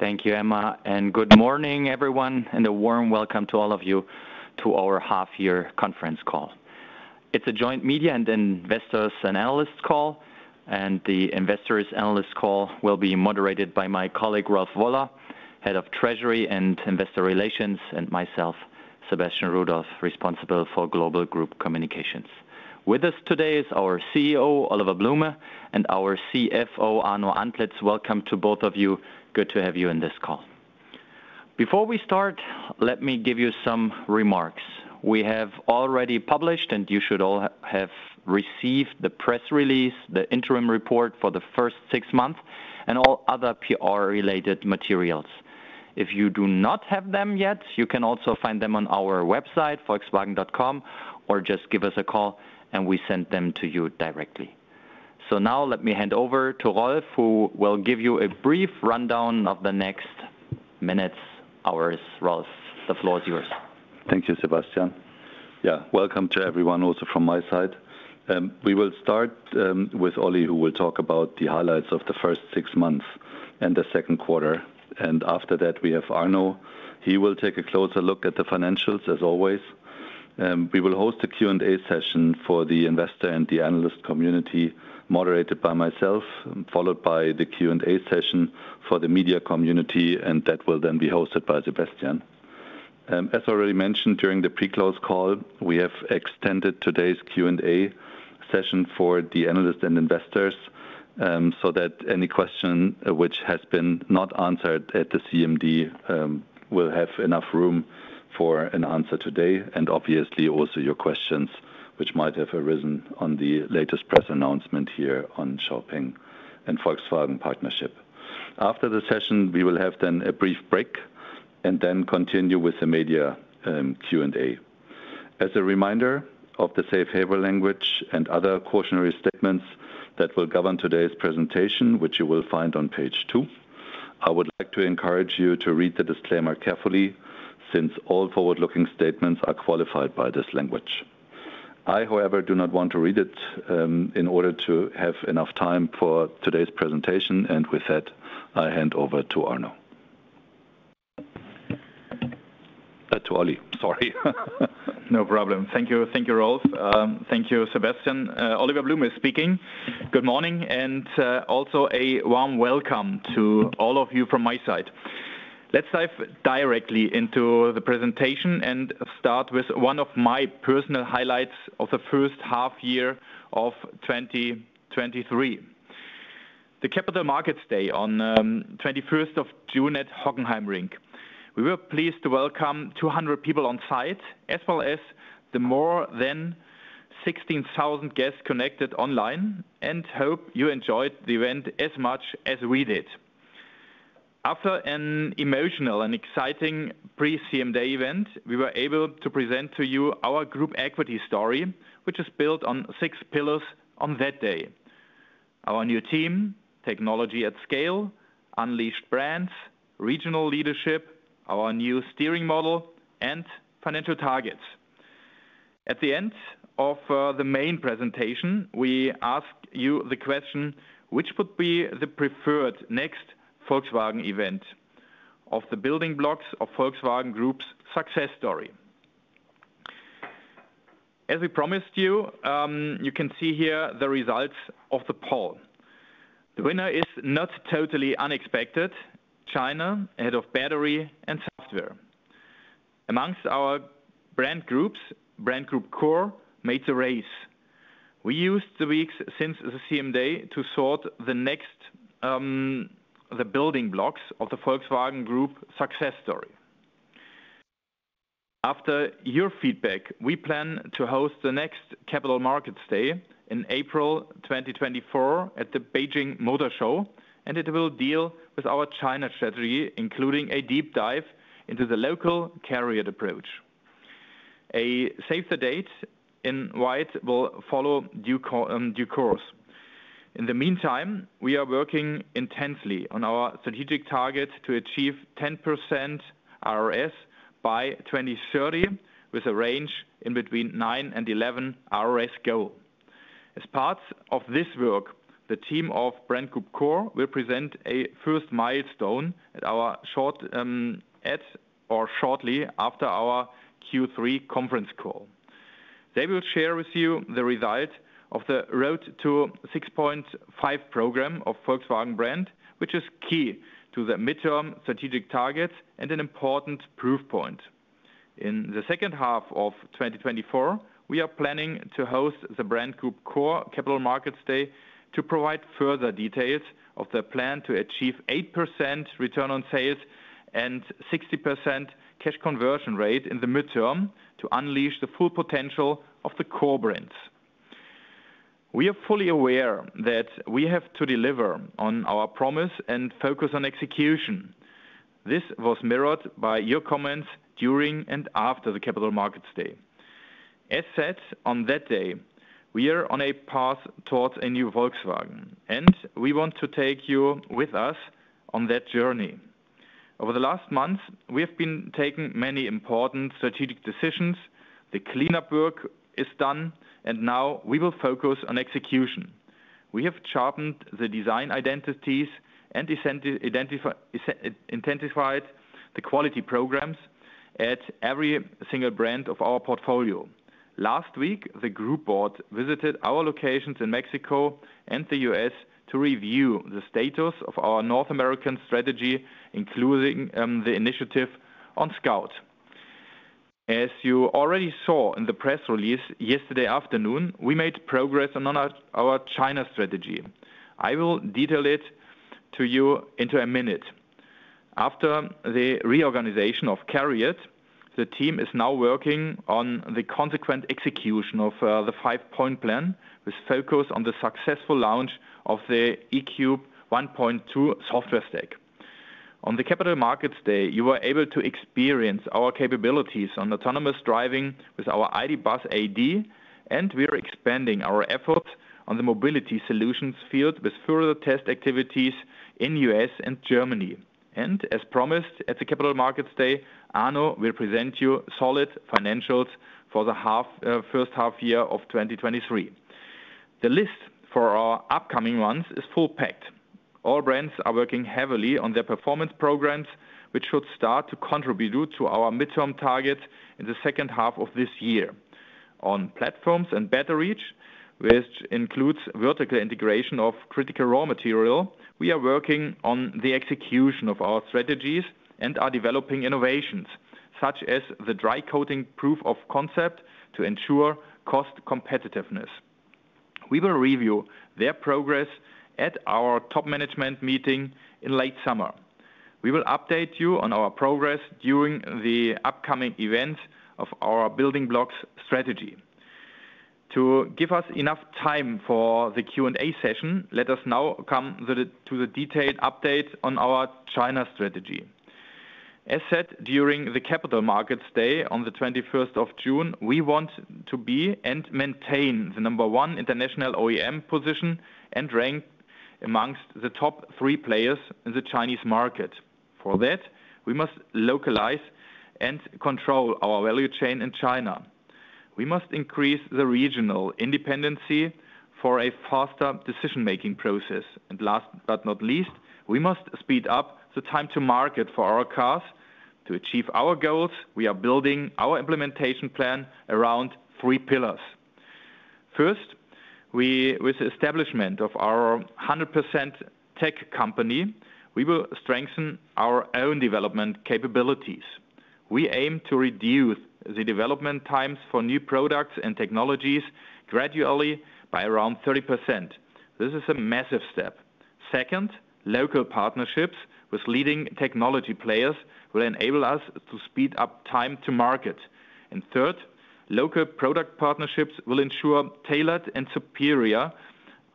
Thank you, Emma, and good morning, everyone, and a warm welcome to all of you to our half-year conference call. It's a joint media and investors and analysts call. The investors-analysts call will be moderated by my colleague, Rolf Woller, Head of Treasury and Investor Relations, and myself, Sebastian Rudolph, responsible for Global Group Communications. With us today is our CEO, Oliver Blume, and our CFO, Arno Antlitz. Welcome to both of you. Good to have you on this call. Before we start, let me give you some remarks. We have already published. You should all have received the press release, the interim report for the first six months, and all other PR-related materials. If you do not have them yet, you can also find them on our website, volkswagen.com, or just give us a call, and we send them to you directly. Now let me hand over to Rolf, who will give you a brief rundown of the next minutes, hours. Rolf, the floor is yours. Thank you, Sebastian. Welcome to everyone, also from my side. We will start with Oli, who will talk about the highlights of the first six months and the second quarter, and after that, we have Arno. He will take a closer look at the financials, as always. We will host a Q&A session for the investor and the analyst community, moderated by myself, followed by the Q&A session for the media community, and that will then be hosted by Sebastian. As already mentioned during the pre-close call, we have extended today's Q&A session for the analysts and investors, so that any question which has been not answered at the CMD will have enough room for an answer today, and obviously also your questions, which might have arisen on the latest press announcement here on XPeng and Volkswagen partnership. After the session, we will have then a brief break and then continue with the media Q&A. As a reminder of the safe harbor language and other cautionary statements that will govern today's presentation, which you will find on page 2, I would like to encourage you to read the disclaimer carefully, since all forward-looking statements are qualified by this language. I, however, do not want to read it in order to have enough time for today's presentation, and with that, I hand over to Arno. To Oli, sorry. No problem. Thank you. Thank you, Rolf. Thank you, Sebastian. Oliver Blume speaking. Good morning, and also a warm welcome to all of you from my side. Let's dive directly into the presentation and start with one of my personal highlights of the first half year of 2023, the Capital Markets Day on 21st of June at Hockenheimring. We were pleased to welcome 200 people on-site, as well as the more than 16,000 guests connected online, and hope you enjoyed the event as much as we did. After an emotional and exciting pre-CMD event, we were able to present to you our group equity story, which is built on six pillars on that day: our new team, technology at scale, unleashed brands, regional leadership, our new steering model, and financial targets. At the end of the main presentation, we asked you the question, which would be the preferred next Volkswagen event of the building blocks of Volkswagen Group's success story? As we promised you can see here the results of the poll. The winner is not totally unexpected: China, head of battery and software. Amongst our brand groups, Brand Group Core made the race. We used the weeks since the CMD to sort the next, the building blocks of the Volkswagen Group success story. After your feedback, we plan to host the next Capital Markets Day in April 2024 at the Beijing Motor Show, and it will deal with our China strategy, including a deep dive into the local CARIAD approach. A save-the-date invite will follow due course. In the meantime, we are working intensely on our strategic target to achieve 10% RRS by 2030, with a range in between nine and 11 RRS go. As part of this work, the team of Brand Group Core will present a first milestone shortly after our Q3 conference call. They will share with you the result of the Road to 6.5 program of Volkswagen brand, which is key to the midterm strategic targets and an important proof point. In the second half of 2024, we are planning to host the Brand Group Core Capital Markets Day to provide further details of the plan to achieve 8% return on sales and 60% cash conversion rate in the midterm to unleash the full potential of the core brands. We are fully aware that we have to deliver on our promise and focus on execution. This was mirrored by your comments during and after the Capital Markets Day. As said on that day, we are on a path towards a new Volkswagen, and we want to take you with us on that journey. Over the last month, we have been taking many important strategic decisions. The cleanup work is done. Now we will focus on execution. We have sharpened the design identities and intensified the quality programs at every single brand of our portfolio. Last week, the group board visited our locations in Mexico and the U.S. to review the status of our North American strategy, including the initiative on Scout. As you already saw in the press release yesterday afternoon, we made progress on our China strategy. I will detail it to you into a minute. After the reorganization of CARIAD, the team is now working on the consequent execution of the 5-point plan, which focus on the successful launch of the E³1.2 software stack. On the Capital Markets Day, you were able to experience our capabilities on autonomous driving with our ID. Buzz AD, we are expanding our efforts on the mobility solutions field with further test activities in U.S. and Germany. As promised, at the Capital Markets Day, Arno will present you solid financials for the first half year of 2023. The list for our upcoming months is full-packed. All brands are working heavily on their performance programs, which should start to contribute to our midterm target in the second half of this year. On platforms and battery, which includes vertical integration of critical raw material, we are working on the execution of our strategies and are developing innovations, such as the dry coating proof of concept to ensure cost competitiveness. We will review their progress at our top management meeting in late summer. We will update you on our progress during the upcoming event of our building blocks strategy. To give us enough time for the Q&A session, let us now come to the detailed update on our China strategy. As said, during the Capital Markets Day on the 21st of June, we want to be and maintain the number one international OEM position and rank amongst the top three players in the Chinese market. For that, we must localize and control our value chain in China. We must increase the regional independency for a faster decision-making process. Last but not least, we must speed up the time to market for our cars. To achieve our goals, we are building our implementation plan around three pillars. First, with the establishment of our 100% tech company, we will strengthen our own development capabilities. We aim to reduce the development times for new products and technologies gradually by around 30%. This is a massive step. Second, local partnerships with leading technology players will enable us to speed up time to market. Third, local product partnerships will ensure tailored and superior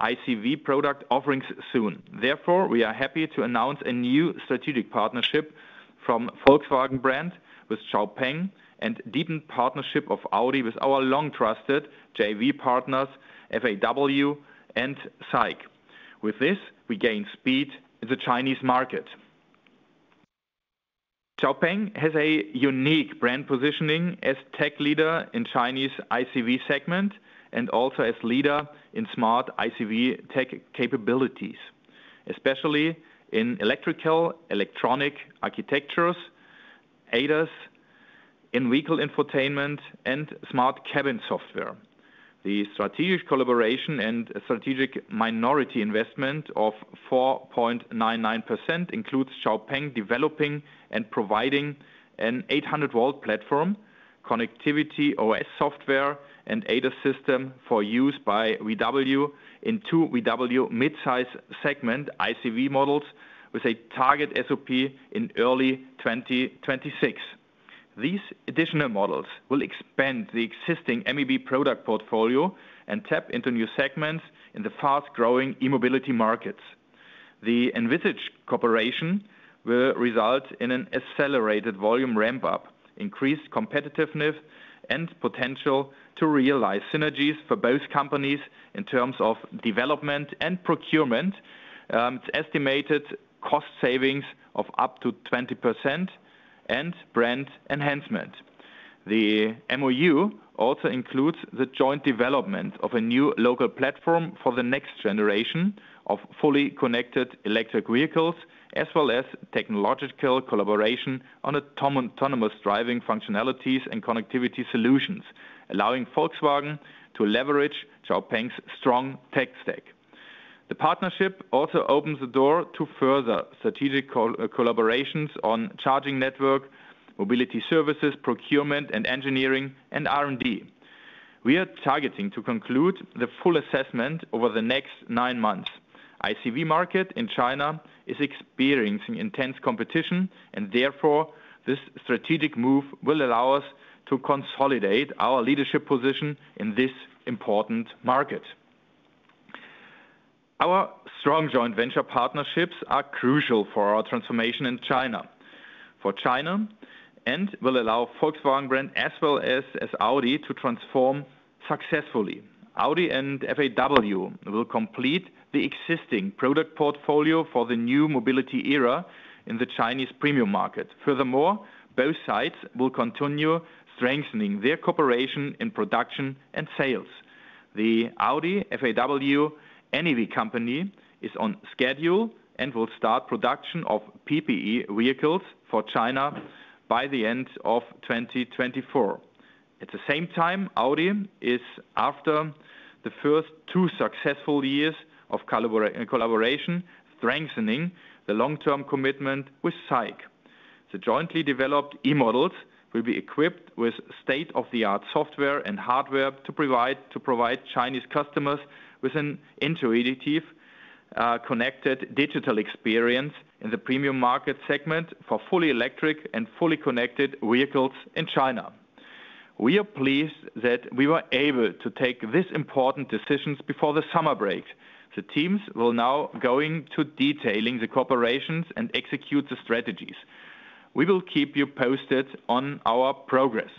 ICV product offerings soon. Therefore, we are happy to announce a new strategic partnership from Volkswagen Brand with XPeng and deepen partnership of Audi with our long-trusted JV partners, FAW and SAIC. With this, we gain speed in the Chinese market. XPeng has a unique brand positioning as tech leader in Chinese ICV segment and also as leader in smart ICV tech capabilities, especially in electrical, electronic architectures, ADAS, in vehicle infotainment, and smart cabin software. The strategic collaboration and strategic minority investment of 4.99% includes XPeng developing and providing an 800-volt platform, Connectivity OS software, and ADAS system for use by VW in two VW midsize segment ICV models with a target SOP in early 2026. These additional models will expand the existing MEB product portfolio and tap into new segments in the fast-growing e-mobility markets. The envisaged cooperation will result in an accelerated volume ramp-up, increased competitiveness, and potential to realize synergies for both companies in terms of development and procurement, estimated cost savings of up to 20% and brand enhancement. The MoU also includes the joint development of a new local platform for the next generation of fully connected electric vehicles, as well as technological collaboration on autonomous driving functionalities and connectivity solutions, allowing Volkswagen to leverage XPeng's strong tech stack. The partnership also opens the door to further strategic collaborations on charging network, mobility services, procurement and engineering, and R&D. We are targeting to conclude the full assessment over the next nine months. ICV market in China is experiencing intense competition, therefore, this strategic move will allow us to consolidate our leadership position in this important market. Our strong joint venture partnerships are crucial for our transformation in China. Will allow Volkswagen brand, as well as Audi, to transform successfully. Audi and FAW will complete the existing product portfolio for the new mobility era in the Chinese premium market. Both sides will continue strengthening their cooperation in production and sales. The Audi FAW NEV Company is on schedule and will start production of PPE vehicles for China by the end of 2024. At the same time, Audi is, after the first two successful years of collaboration, strengthening the long-term commitment with SAIC. The jointly developed e-models will be equipped with state-of-the-art software and hardware to provide Chinese customers with an intuitive, connected digital experience in the premium market segment for fully electric and fully connected vehicles in China. We are pleased that we were able to take these important decisions before the summer break. The teams will now going to detailing the cooperations and execute the strategies. We will keep you posted on our progress.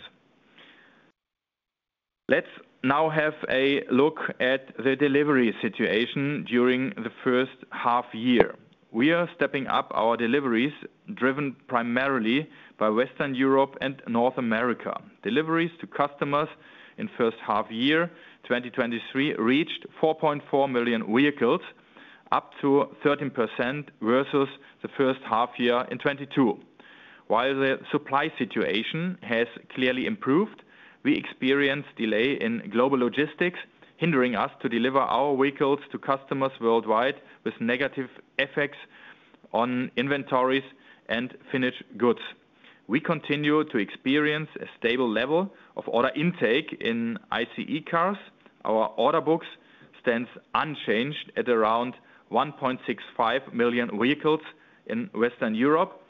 Let's now have a look at the delivery situation during the first half year. We are stepping up our deliveries, driven primarily by Western Europe and North America. Deliveries to customers in first half year, 2023, reached 4.4 million vehicles, up to 13% versus the first half year in 2022. While the supply situation has clearly improved, we experienced delay in global logistics, hindering us to deliver our vehicles to customers worldwide, with negative effects on inventories and finished goods. We continue to experience a stable level of order intake in ICE cars. Our order books stands unchanged at around 1.65 million vehicles in Western Europe.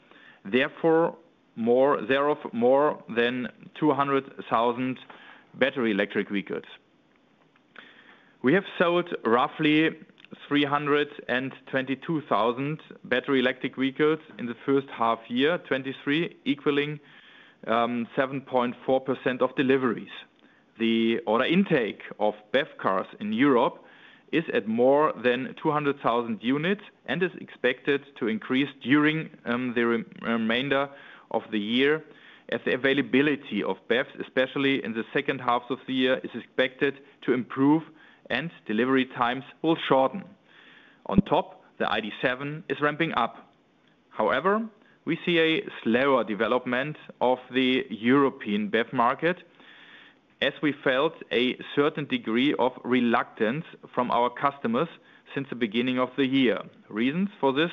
Therefore, thereof, more than 200,000 battery electric vehicles. We have sold roughly 322,000 battery electric vehicles in the first half year, 2023, equaling 7.4% of deliveries. The order intake of BEV cars in Europe is at more than 200,000 units and is expected to increase during the remainder of the year, as the availability of BEVs, especially in the second half of the year, is expected to improve and delivery times will shorten. On top, the ID.7 is ramping up. However, we see a slower development of the European BEV market as we felt a certain degree of reluctance from our customers since the beginning of the year. Reasons for this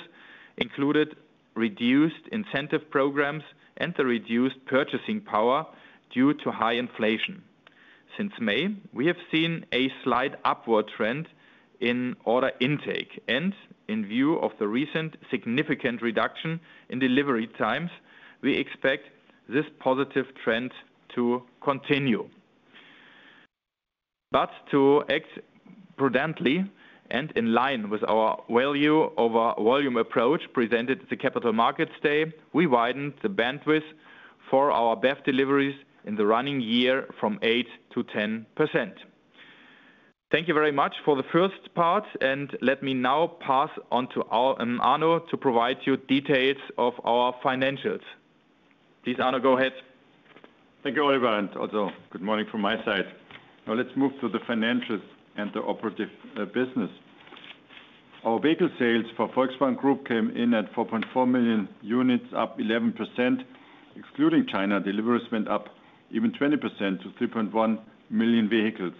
included reduced incentive programs and the reduced purchasing power due to high inflation. Since May, we have seen a slight upward trend in order intake, and in view of the recent significant reduction in delivery times, we expect this positive trend to continue. To act prudently and in line with our value over volume approach presented at the Capital Markets Day, we widened the bandwidth for our BEV deliveries in the running year from 8%-10%. Thank you very much for the first part, and let me now pass on to Arno to provide you details of our financials. Please, Arno, go ahead. Thank you, Oliver. Also good morning from my side. Now let's move to the financials and the operative business. Our vehicle sales for Volkswagen Group came in at 4.4 million units, up 11%. Excluding China, deliveries went up even 20% to 3.1 million vehicles.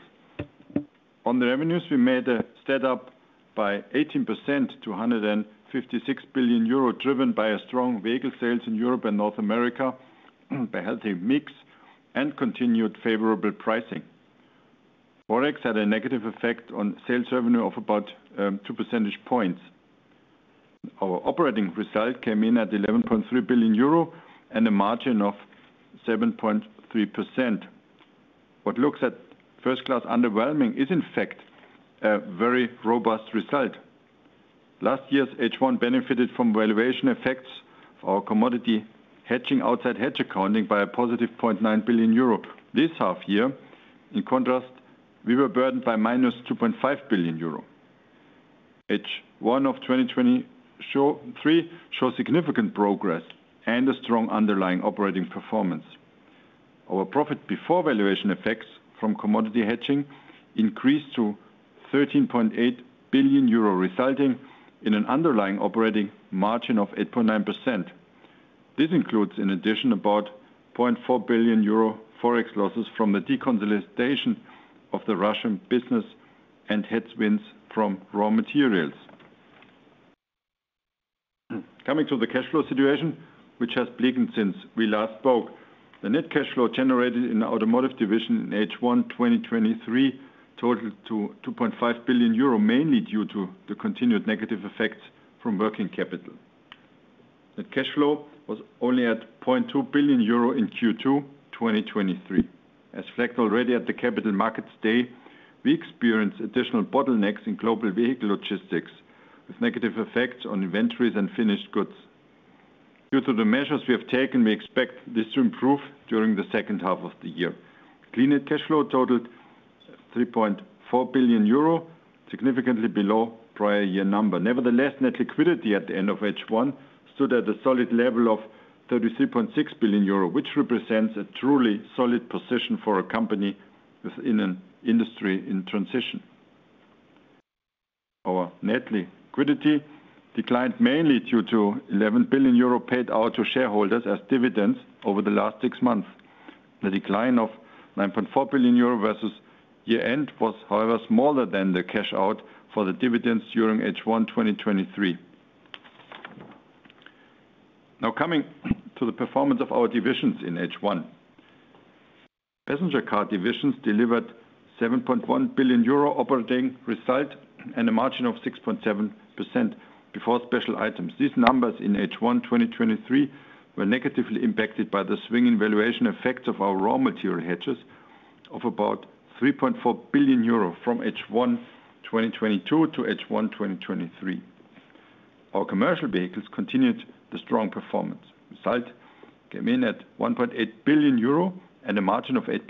On the revenues, we made a stand-up by 18% to 156 billion euro, driven by a strong vehicle sales in Europe and North America, by healthy mix and continued favorable pricing. Forex had a negative effect on sales revenue of about two percentage points. Our operating result came in at 11.3 billion euro and a margin of 7.3%. What looks at first class underwhelming is, in fact, a very robust result. Last year's H1 benefited from valuation effects of our commodity hedging outside hedge accounting by a +0.9 billion euro. This half year, in contrast, we were burdened by -2.5 billion euro. H1 of 2023 show significant progress and a strong underlying operating performance. Our profit before valuation effects from commodity hedging increased to 13.8 billion euro, resulting in an underlying operating margin of 8.9%. This includes, in addition, about 0.4 billion euro Forex losses from the deconsolidation of the Russian business and headwinds from raw materials. Coming to the cash flow situation, which has bleakened since we last spoke. The net cash flow generated in the automotive division in H1 2023 totaled to 2.5 billion euro, mainly due to the continued negative effects from working capital. The cash flow was only at 0.2 billion euro in Q2 2023. As reflected already at the Capital Markets Day, we experienced additional bottlenecks in global vehicle logistics, with negative effects on inventories and finished goods. Due to the measures we have taken, we expect this to improve during the second half of the year. Clean net cash flow totaled 3.4 billion euro, significantly below prior year number. Net liquidity at the end of H1 stood at a solid level of 33.6 billion euro, which represents a truly solid position for a company within an industry in transition. Our net liquidity declined mainly due to 11 billion euro paid out to shareholders as dividends over the last six months. The decline of 9.4 billion euro versus year-end was, however, smaller than the cash out for the dividends during H1 2023. Coming to the performance of our divisions in H1. Passenger car divisions delivered 7.1 billion euro operating result and a margin of 6.7% before special items. These numbers in H1 2023 were negatively impacted by the swing in valuation effects of our raw material hedges of about 3.4 billion euro from H1 2022 to H1 2023. Our commercial vehicles continued the strong performance. Result came in at 1.8 billion euro and a margin of 8%.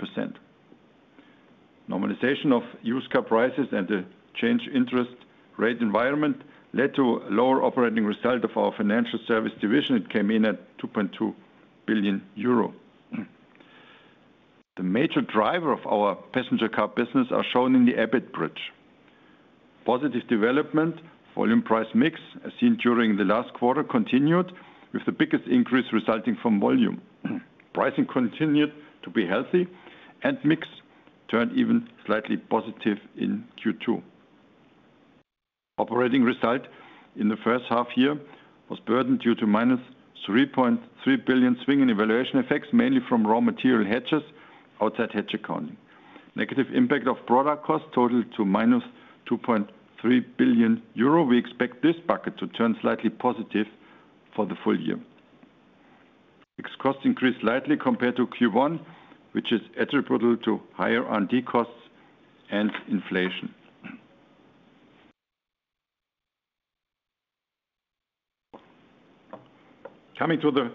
Normalization of used car prices and the changed interest rate environment led to lower operating result of our financial services division. It came in at 2.2 billion euro. The major driver of our passenger car business are shown in the EBIT bridge. Positive development, volume price mix, as seen during the last quarter, continued, with the biggest increase resulting from volume. Pricing continued to be healthy, mix turned even slightly positive in Q2. Operating result in the first half year was burdened due to -3.3 billion swing in evaluation effects, mainly from raw material hedges, outside hedge accounting. Negative impact of product costs totaled to -2.3 billion euro. We expect this bucket to turn slightly positive for the full year. Fixed costs increased slightly compared to Q1, which is attributable to higher R&D costs and inflation. Coming to the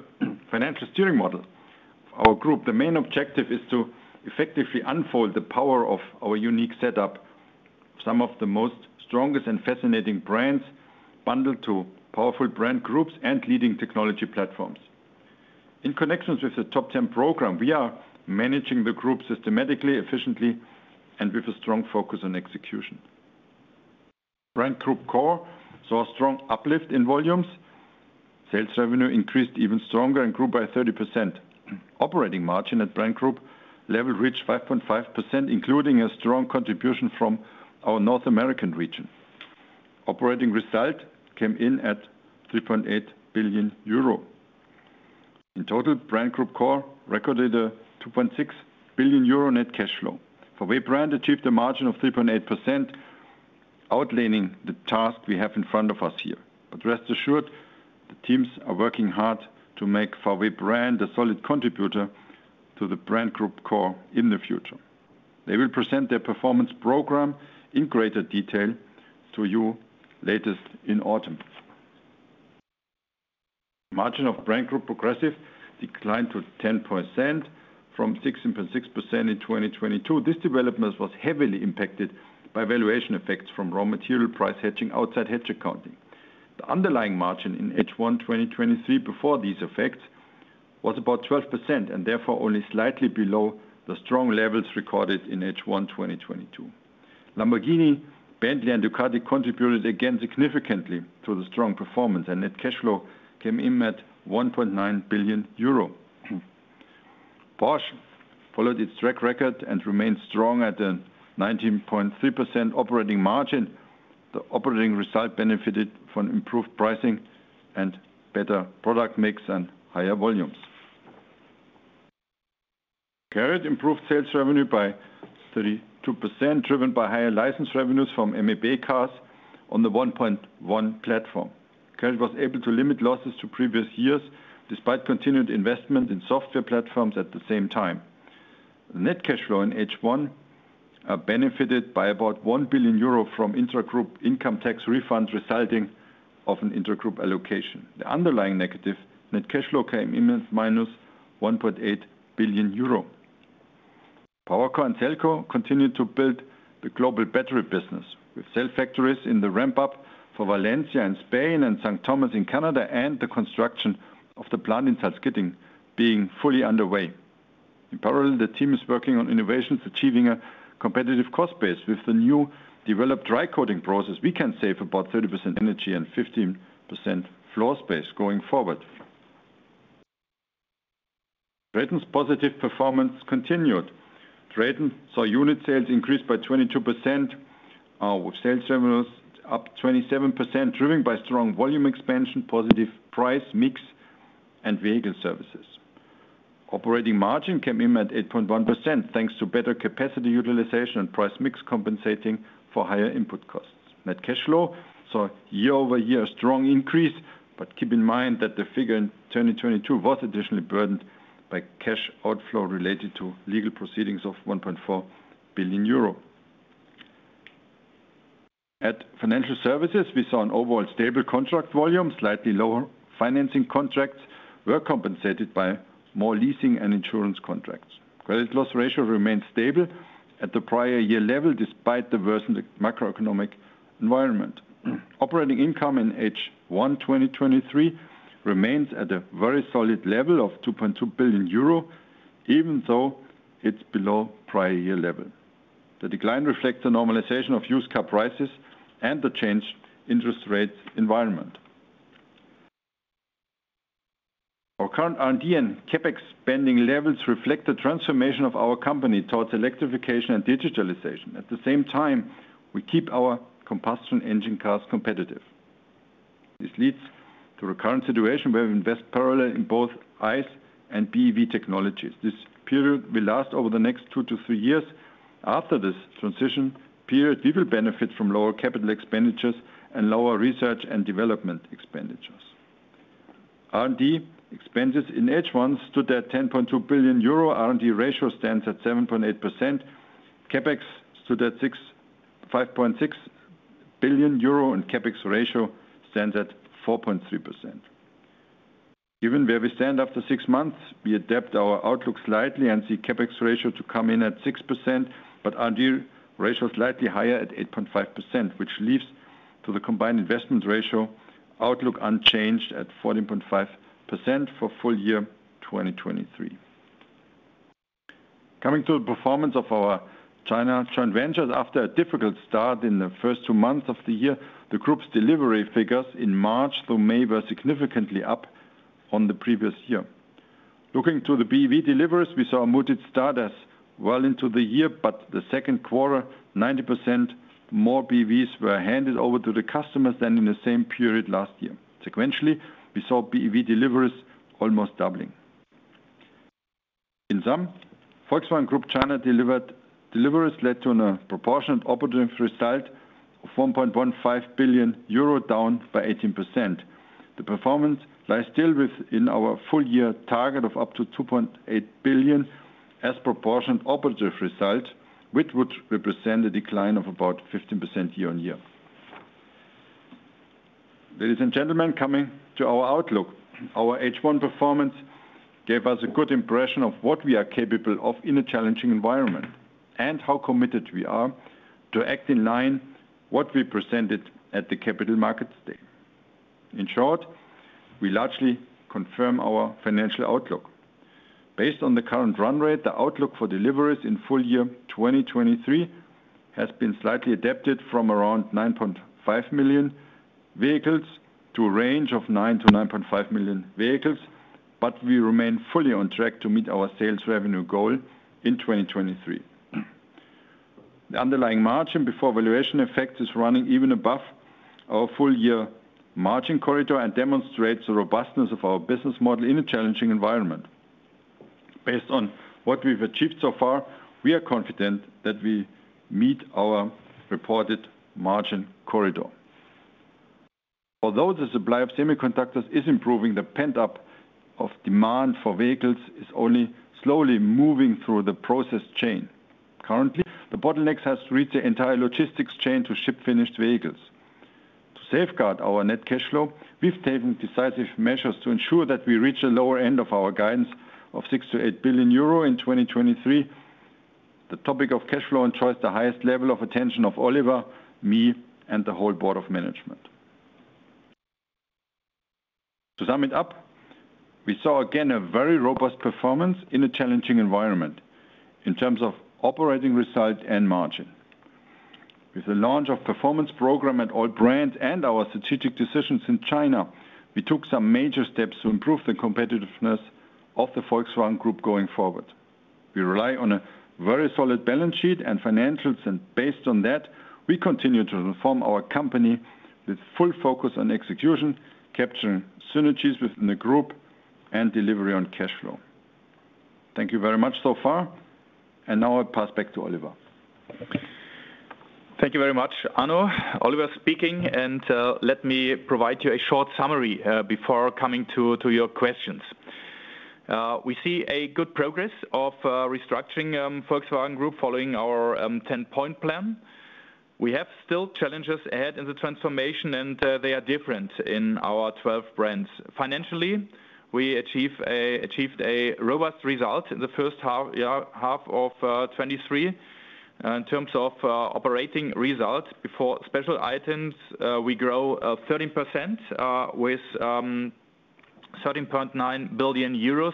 financial steering model. Our Group, the main objective is to effectively unfold the power of our unique setup. Some of the most strongest and fascinating brands bundled to powerful Brand Groups and leading technology platforms. In connections with the Top Ten program, we are managing the group systematically, efficiently, and with a strong focus on execution. Brand Group Core saw a strong uplift in volumes. Sales revenue increased even stronger and grew by 30%. Operating margin at Brand Group level reached 5.5%, including a strong contribution from our North American region. Operating result came in at 3.8 billion euro. In total, Brand Group Core recorded a 2.6 billion euro net cash flow. For VW Brand achieved a margin of 3.8%, outlining the task we have in front of us here. Rest assured, the teams are working hard to make VW Brand a solid contributor to the Brand Group Core in the future. They will present their performance program in greater detail to you latest in autumn. Margin of Brand Group Progressive declined to 10% from 16.6% in 2022. This development was heavily impacted by valuation effects from raw material price hedging outside hedge accounting. The underlying margin in H1 2023, before these effects, was about 12%, and therefore only slightly below the strong levels recorded in H1 2022. Lamborghini, Bentley, and Ducati contributed again significantly to the strong performance, and net cash flow came in at 1.9 billion euro. Porsche followed its track record and remained strong at a 19.3% operating margin. The operating result benefited from improved pricing and better product mix and higher volumes. CARIAD improved sales revenue by 32%, driven by higher license revenues from MAP cars on the 1.1 platform. CARIAD was able to limit losses to previous years, despite continued investment in software platforms at the same time. Net cash flow in H1 benefited by about 1 billion euro from intra-group income tax refunds resulting of an intra-group allocation. The underlying negative net cash flow came in at -1.8 billion euro. PowerCo and Cellco continued to build the global battery business, with cell factories in the ramp-up for Valencia in Spain and St. Thomas in Canada, and the construction of the plant in Salzgitter being fully underway. In parallel, the team is working on innovations, achieving a competitive cost base. With the new developed dry coating process, we can save about 30% energy and 15% floor space going forward. TRATON's positive performance continued. TRATON saw unit sales increase by 22%, with sales terminals up 27%, driven by strong volume expansion, positive price mix, and vehicle services. Operating margin came in at 8.1%, thanks to better capacity utilization and price mix, compensating for higher input costs. Net cash flow saw year-over-year a strong increase, keep in mind that the figure in 2022 was additionally burdened by cash outflow related to legal proceedings of 1.4 billion euro. At financial services, we saw an overall stable contract volume, slightly lower financing contracts were compensated by more leasing and insurance contracts. Credit loss ratio remained stable at the prior year level, despite the worsening macroeconomic environment. Operating income in H1, 2023, remains at a very solid level of 2.2 billion euro, even though it's below prior year level. The decline reflects the normalization of used car prices and the changed interest rate environment. Our current R&D and CapEx spending levels reflect the transformation of our company towards electrification and digitalization. At the same time, we keep our combustion engine cars competitive. This leads to a current situation where we invest parallel in both ICE and BEV technologies. This period will last over the next 2-3 years. After this transition period, we will benefit from lower capital expenditures and lower research and development expenditures. R&D expenses in H1 stood at 10.2 billion euro. R&D ratio stands at 7.8%. CapEx stood at 5.6 billion euro, and CapEx ratio stands at 4.3%. Given where we stand after six months, we adapt our outlook slightly and see CapEx ratio to come in at 6%, but R&D ratio slightly higher at 8.5%, which leaves to the combined investment ratio outlook unchanged at 14.5% for full year 2023. Coming to the performance of our China joint ventures. After a difficult start in the first two months of the year, the group's delivery figures in March through May were significantly up from the previous year. Looking to the BEV deliveries, we saw a muted start as well into the year, but the second quarter, 90% more BEVs were handed over to the customers than in the same period last year. Sequentially, we saw BEV deliveries almost doubling. In sum, Volkswagen Group China deliveries led to an proportionate operating result of 1.15 billion euro, down by 18%. The performance lies still within our full year target of up to 2.8 billion as proportionate operative result, which would represent a decline of about 15% year-on-year. Ladies and gentlemen, coming to our outlook. Our H1 performance gave us a good impression of what we are capable of in a challenging environment, and how committed we are to act in line what we presented at the Capital Markets Day. In short, we largely confirm our financial outlook. Based on the current run rate, the outlook for deliveries in full year 2023 has been slightly adapted from around 9.5 million vehicles to a range of 9 million-9.5 million vehicles. We remain fully on track to meet our sales revenue goal in 2023. The underlying margin before valuation effect is running even above our full-year margin corridor and demonstrates the robustness of our business model in a challenging environment. Based on what we've achieved so far, we are confident that we meet our reported margin corridor. Although the supply of semiconductors is improving, the pent-up of demand for vehicles is only slowly moving through the process chain. Currently, the bottlenecks has reached the entire logistics chain to ship finished vehicles. To safeguard our net cash flow, we've taken decisive measures to ensure that we reach the lower end of our guidance of 6 billion-8 billion euro in 2023. The topic of cash flow enjoys the highest level of attention of Oliver, me, and the whole board of management. To sum it up, we saw again a very robust performance in a challenging environment in terms of operating result and margin. With the launch of performance program at all brands and our strategic decisions in China, we took some major steps to improve the competitiveness of the Volkswagen Group going forward. We rely on a very solid balance sheet and financials, and based on that, we continue to reform our company with full focus on execution, capturing synergies within the group, and delivery on cash flow. Thank you very much so far, and now I pass back to Oliver. Thank you very much, Arno. Oliver speaking, let me provide you a short summary before coming to your questions. We see a good progress of restructuring, Volkswagen Group, following our 10-point plan. We have still challenges ahead in the transformation, they are different in our 12 brands. Financially, we achieved a robust result in the first half year, half of 2023. In terms of operating result, before special items, we grow 13%, with 13.9 billion euros.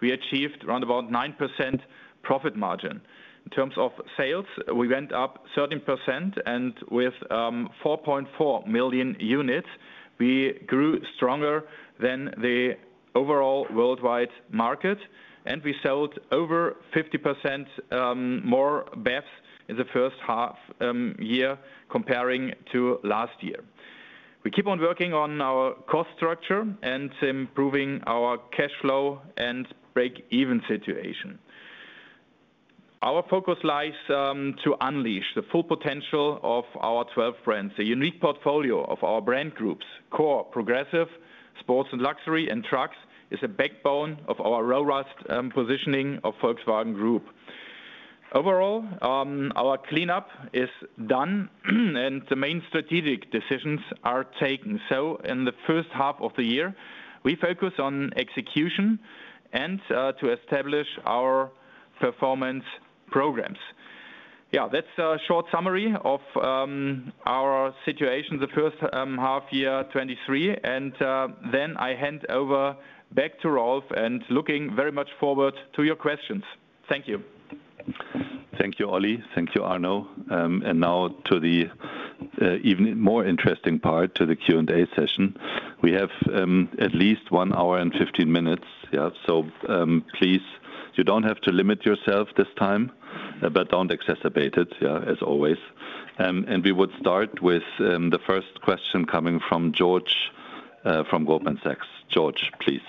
We achieved around about 9% profit margin. In terms of sales, we went up 13%, with 4.4 million units, we grew stronger than the overall worldwide market, we sold over 50% more BEVs in the first half year comparing to last year. We keep on working on our cost structure and improving our cash flow and break-even situation. Our focus lies to unleash the full potential of our 12 brands. The unique portfolio of our brand groups, Core, Progressive, Sports & Luxury, and Trucks, is the backbone of our robust positioning of Volkswagen Group. Overall, our cleanup is done, the main strategic decisions are taken. In the first half of the year, we focus on execution and to establish our performance programs. Yeah, that's a short summary of our situation the first half year 2023. Then I hand over back to Rolf, and looking very much forward to your questions. Thank you. Thank you, Ollie. Thank you, Arno. Now to the even more interesting part, to the Q&A session. We have at least one hour and 15 minutes. Please, you don't have to limit yourself this time, but don't exacerbate it, as always. We would start with the first question coming from George, from Goldman Sachs. George, please.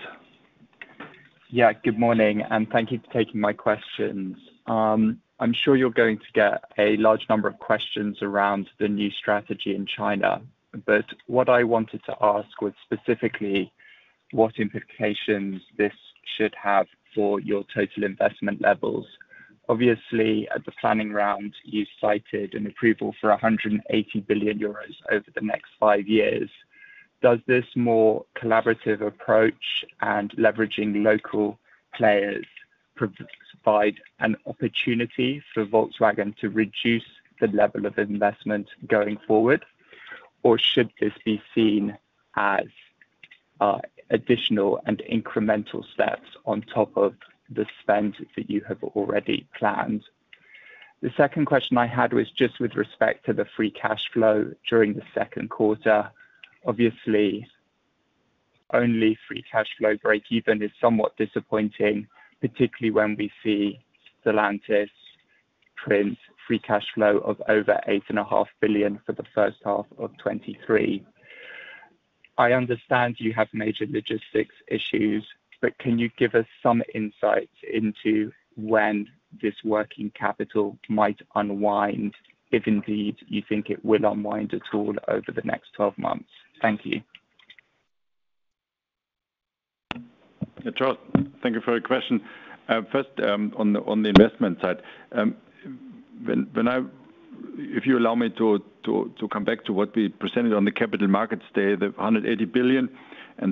Good morning, and thank you for taking my questions. What I wanted to ask was specifically, what implications this should have for your total investment levels? Obviously, at the planning round, you cited an approval for 180 billion euros over the next five years. Does this more collaborative approach and leveraging local players provide an opportunity for Volkswagen to reduce the level of investment going forward? Should this be seen as additional and incremental steps on top of the spend that you have already planned? The second question I had was just with respect to the free cash flow during the second quarter. Obviously, only free cash flow breakeven is somewhat disappointing, particularly when we see Stellantis print free cash flow of over 8.5 billion for the first half of 2023. I understand you have major logistics issues, can you give us some insight into when this working capital might unwind, if indeed you think it will unwind at all over the next 12 months? Thank you. George, thank you for your question. First, on the investment side, if you allow me to come back to what we presented on the capital markets day, the 180 billion,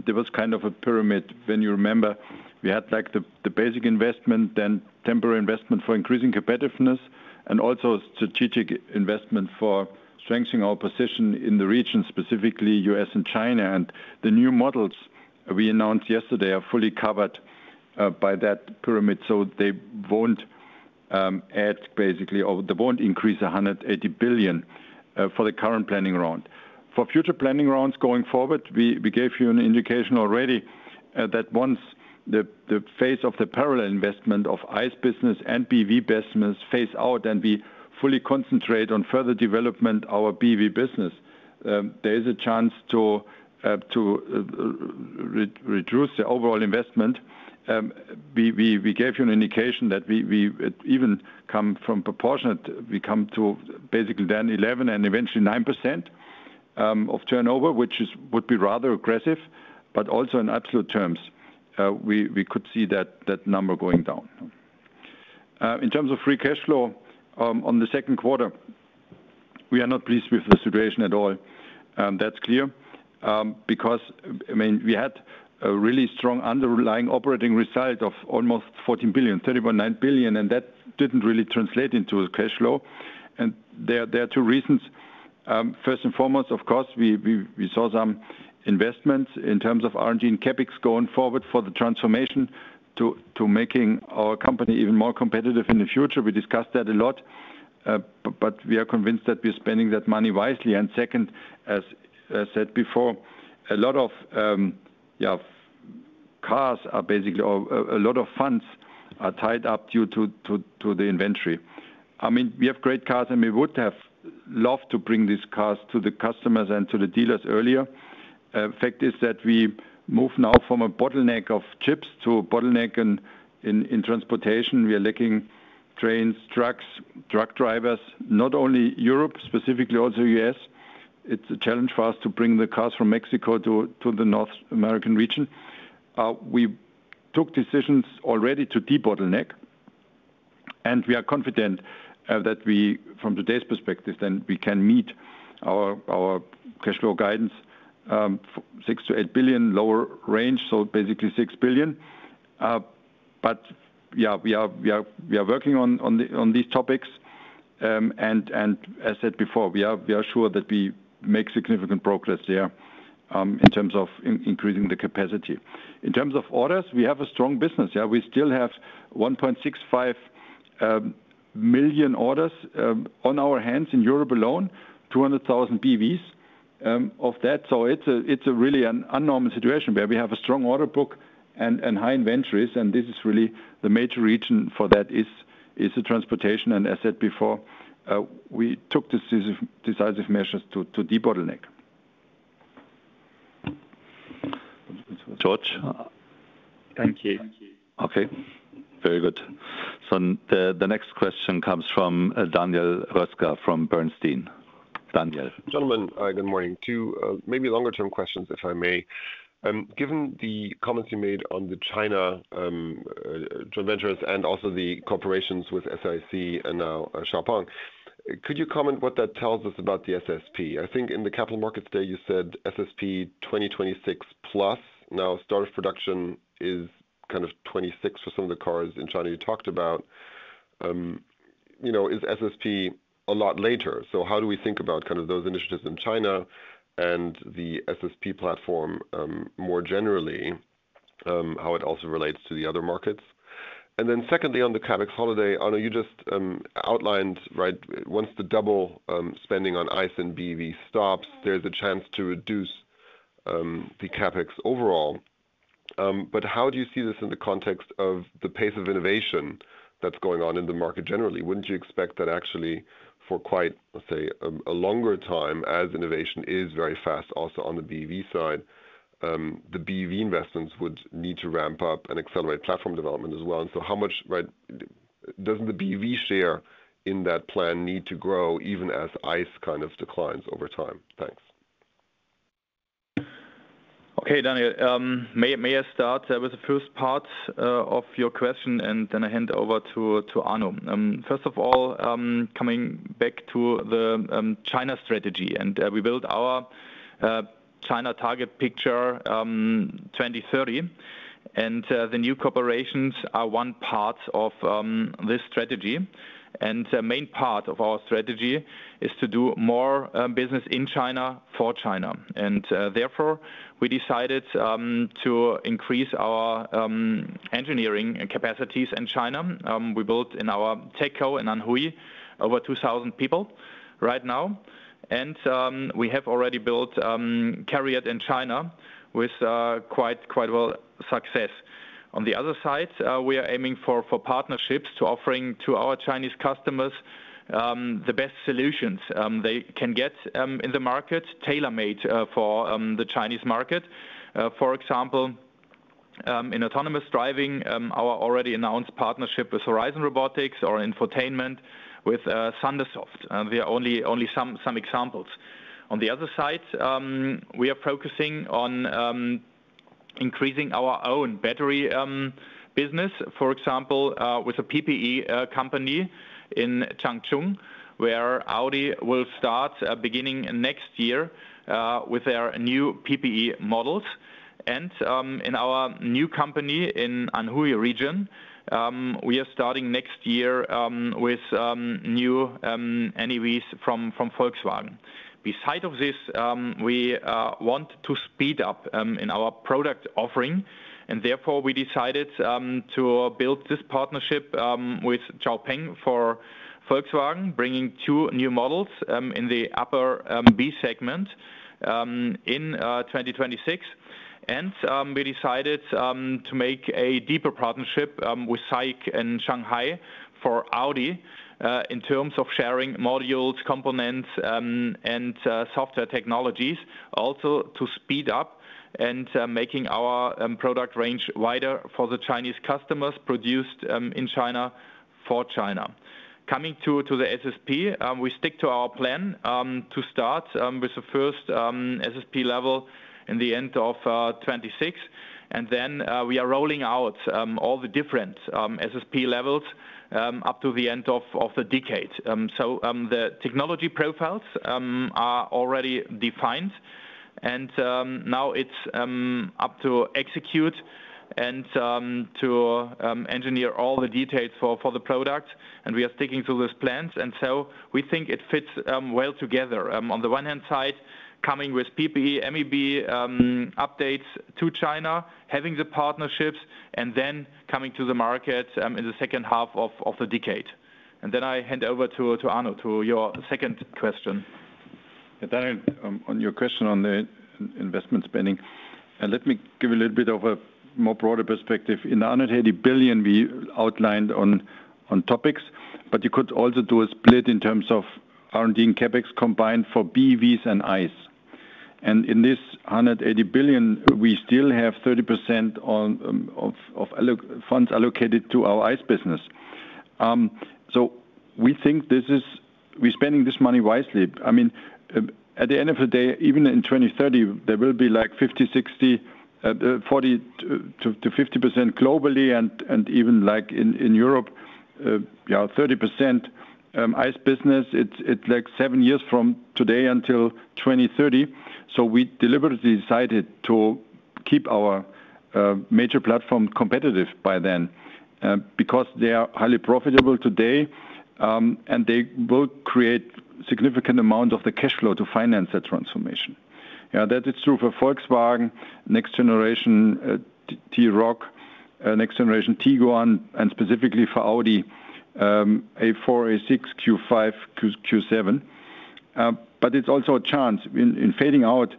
there was kind of a pyramid. You remember, we had, like, the basic investment, then temporary investment for increasing competitiveness, and also strategic investment for strengthening our position in the region, specifically U.S. and China. The new models we announced yesterday are fully covered by that pyramid, so they won't add basically, or they won't increase 180 billion for the current planning round. For future planning rounds going forward, we gave you an indication already that once the phase of the parallel investment of ICE business and BEV investments phase out, and we fully concentrate on further development our BEV business, there is a chance to reduce the overall investment. We gave you an indication that we even come from proportionate, we come to basically then 11% and eventually 9% of turnover, which would be rather aggressive, but also in absolute terms, we could see that number going down. In terms of free cash flow, on the second quarter, we are not pleased with the situation at all. That's clear, because, I mean, we had a really strong underlying operating result of almost 14 billion, 13.9 billion, and that didn't really translate into a cash flow. There are two reasons. First and foremost, of course, we saw some investments in terms of R&D and CapEx going forward for the transformation to making our company even more competitive in the future. We discussed that a lot, but we are convinced that we're spending that money wisely. Second, as I said before, a lot of, yeah, cars are basically, or a lot of funds are tied up due to the inventory. I mean, we have great cars, and we would have loved to bring these cars to the customers and to the dealers earlier. Fact is that we move now from a bottleneck of chips to a bottleneck in transportation. We are lacking trains, trucks, truck drivers, not only Europe, specifically also U.S. It's a challenge for us to bring the cars from Mexico to the North American region. We took decisions already to debottleneck, and we are confident that we, from today's perspective, then we can meet our cash flow guidance, 6 billion-8 billion lower range, so basically 6 billion. Yeah, we are working on these topics. As said before, we are sure that we make significant progress there in terms of increasing the capacity. In terms of orders, we have a strong business. We still have 1.65 million orders on our hands in Europe alone, 200,000 BEVs of that. It's a really an unnormal situation where we have a strong order book and high inventories, and this is really the major reason for that is the transportation. As said before, we took decisive measures to debottleneck. George? Thank you. Okay. Very good. The next question comes from Daniel Roeska from Bernstein.... Daniel. Gentlemen, good morning. 2, maybe longer-term questions, if I may. Given the comments you made on the China joint ventures and also the corporations with SAIC and now XPeng, could you comment what that tells us about the SSP? I think in the capital markets day you said SSP 2026 plus. Start of production is kind of 26 for some of the cars in China you talked about. You know, is SSP a lot later? How do we think about kind of those initiatives in China and the SSP platform more generally, how it also relates to the other markets? Secondly, on the CapEx holiday, Arno, you just outlined, right, once the double spending on ICE and BEV stops, there's a chance to reduce the CapEx overall. How do you see this in the context of the pace of innovation that's going on in the market generally? Wouldn't you expect that actually for quite, let's say, a longer time, as innovation is very fast also on the BEV side, the BEV investments would need to ramp up and accelerate platform development as well? How much, right, doesn't the BEV share in that plan need to grow even as ICE kind of declines over time? Thanks. Okay, Daniel, may I start with the first part of your question, and then I hand over to Arno. First of all, coming back to the China strategy, we built our China target picture 2030, and the new corporations are one part of this strategy. The main part of our strategy is to do more business in China for China. Therefore, we decided to increase our engineering and capacities in China. We built in our tech co in Anhui, over 2,000 people right now, and we have already built CARIAD in China with quite well success. On the other side, we are aiming for partnerships to offering to our Chinese customers the best solutions they can get in the market, tailor-made for the Chinese market. For example, in autonomous driving, our already announced partnership with Horizon Robotics or infotainment with ThunderSoft, they are only some examples. On the other side, we are focusing on increasing our own battery business. For example, with a PPE company in Changchun, where Audi will start beginning next year with their new PPE models. In our new company in Anhui region, we are starting next year with new NEVs from Volkswagen. Beside of this, we want to speed up in our product offering, and therefore, we decided to build this partnership with XPeng for Volkswagen, bringing two new models in the upper B segment in 2026. We decided to make a deeper partnership with SAIC in Shanghai for Audi in terms of sharing modules, components, and software technologies, also to speed up and making our product range wider for the Chinese customers produced in China for China. Coming to the SSP, we stick to our plan to start with the first SSP level in the end of 2026, and then we are rolling out all the different SSP levels up to the end of the decade. The technology profiles are already defined, and now it's up to execute and to engineer all the details for the product, and we are sticking to those plans, and so we think it fits well together. On the one hand side, coming with PPE, MEB, updates to China, having the partnerships, and then coming to the market in the second half of the decade. I hand over to Arno, to your second question. On your question on the investment spending, let me give a little bit of a more broader perspective. In the 180 billion we outlined on topics, but you could also do a split in terms of R&D and CapEx combined for BEVs and ICE. In this 180 billion, we still have 30% of funds allocated to our ICE business. We think we're spending this money wisely. I mean, at the end of the day, even in 2030, there will be like 50%, 60%, 40%-50% globally and even like in Europe, 30% ICE business. It's like seven years from today until 2030. We deliberately decided to keep our major platform competitive by then because they are highly profitable today, and they will create significant amount of the cash flow to finance that transformation. That is true for Volkswagen, next generation T-Roc, next generation Tiguan, and specifically for Audi, A4, A6, Q5, Q7. It's also a chance in fading out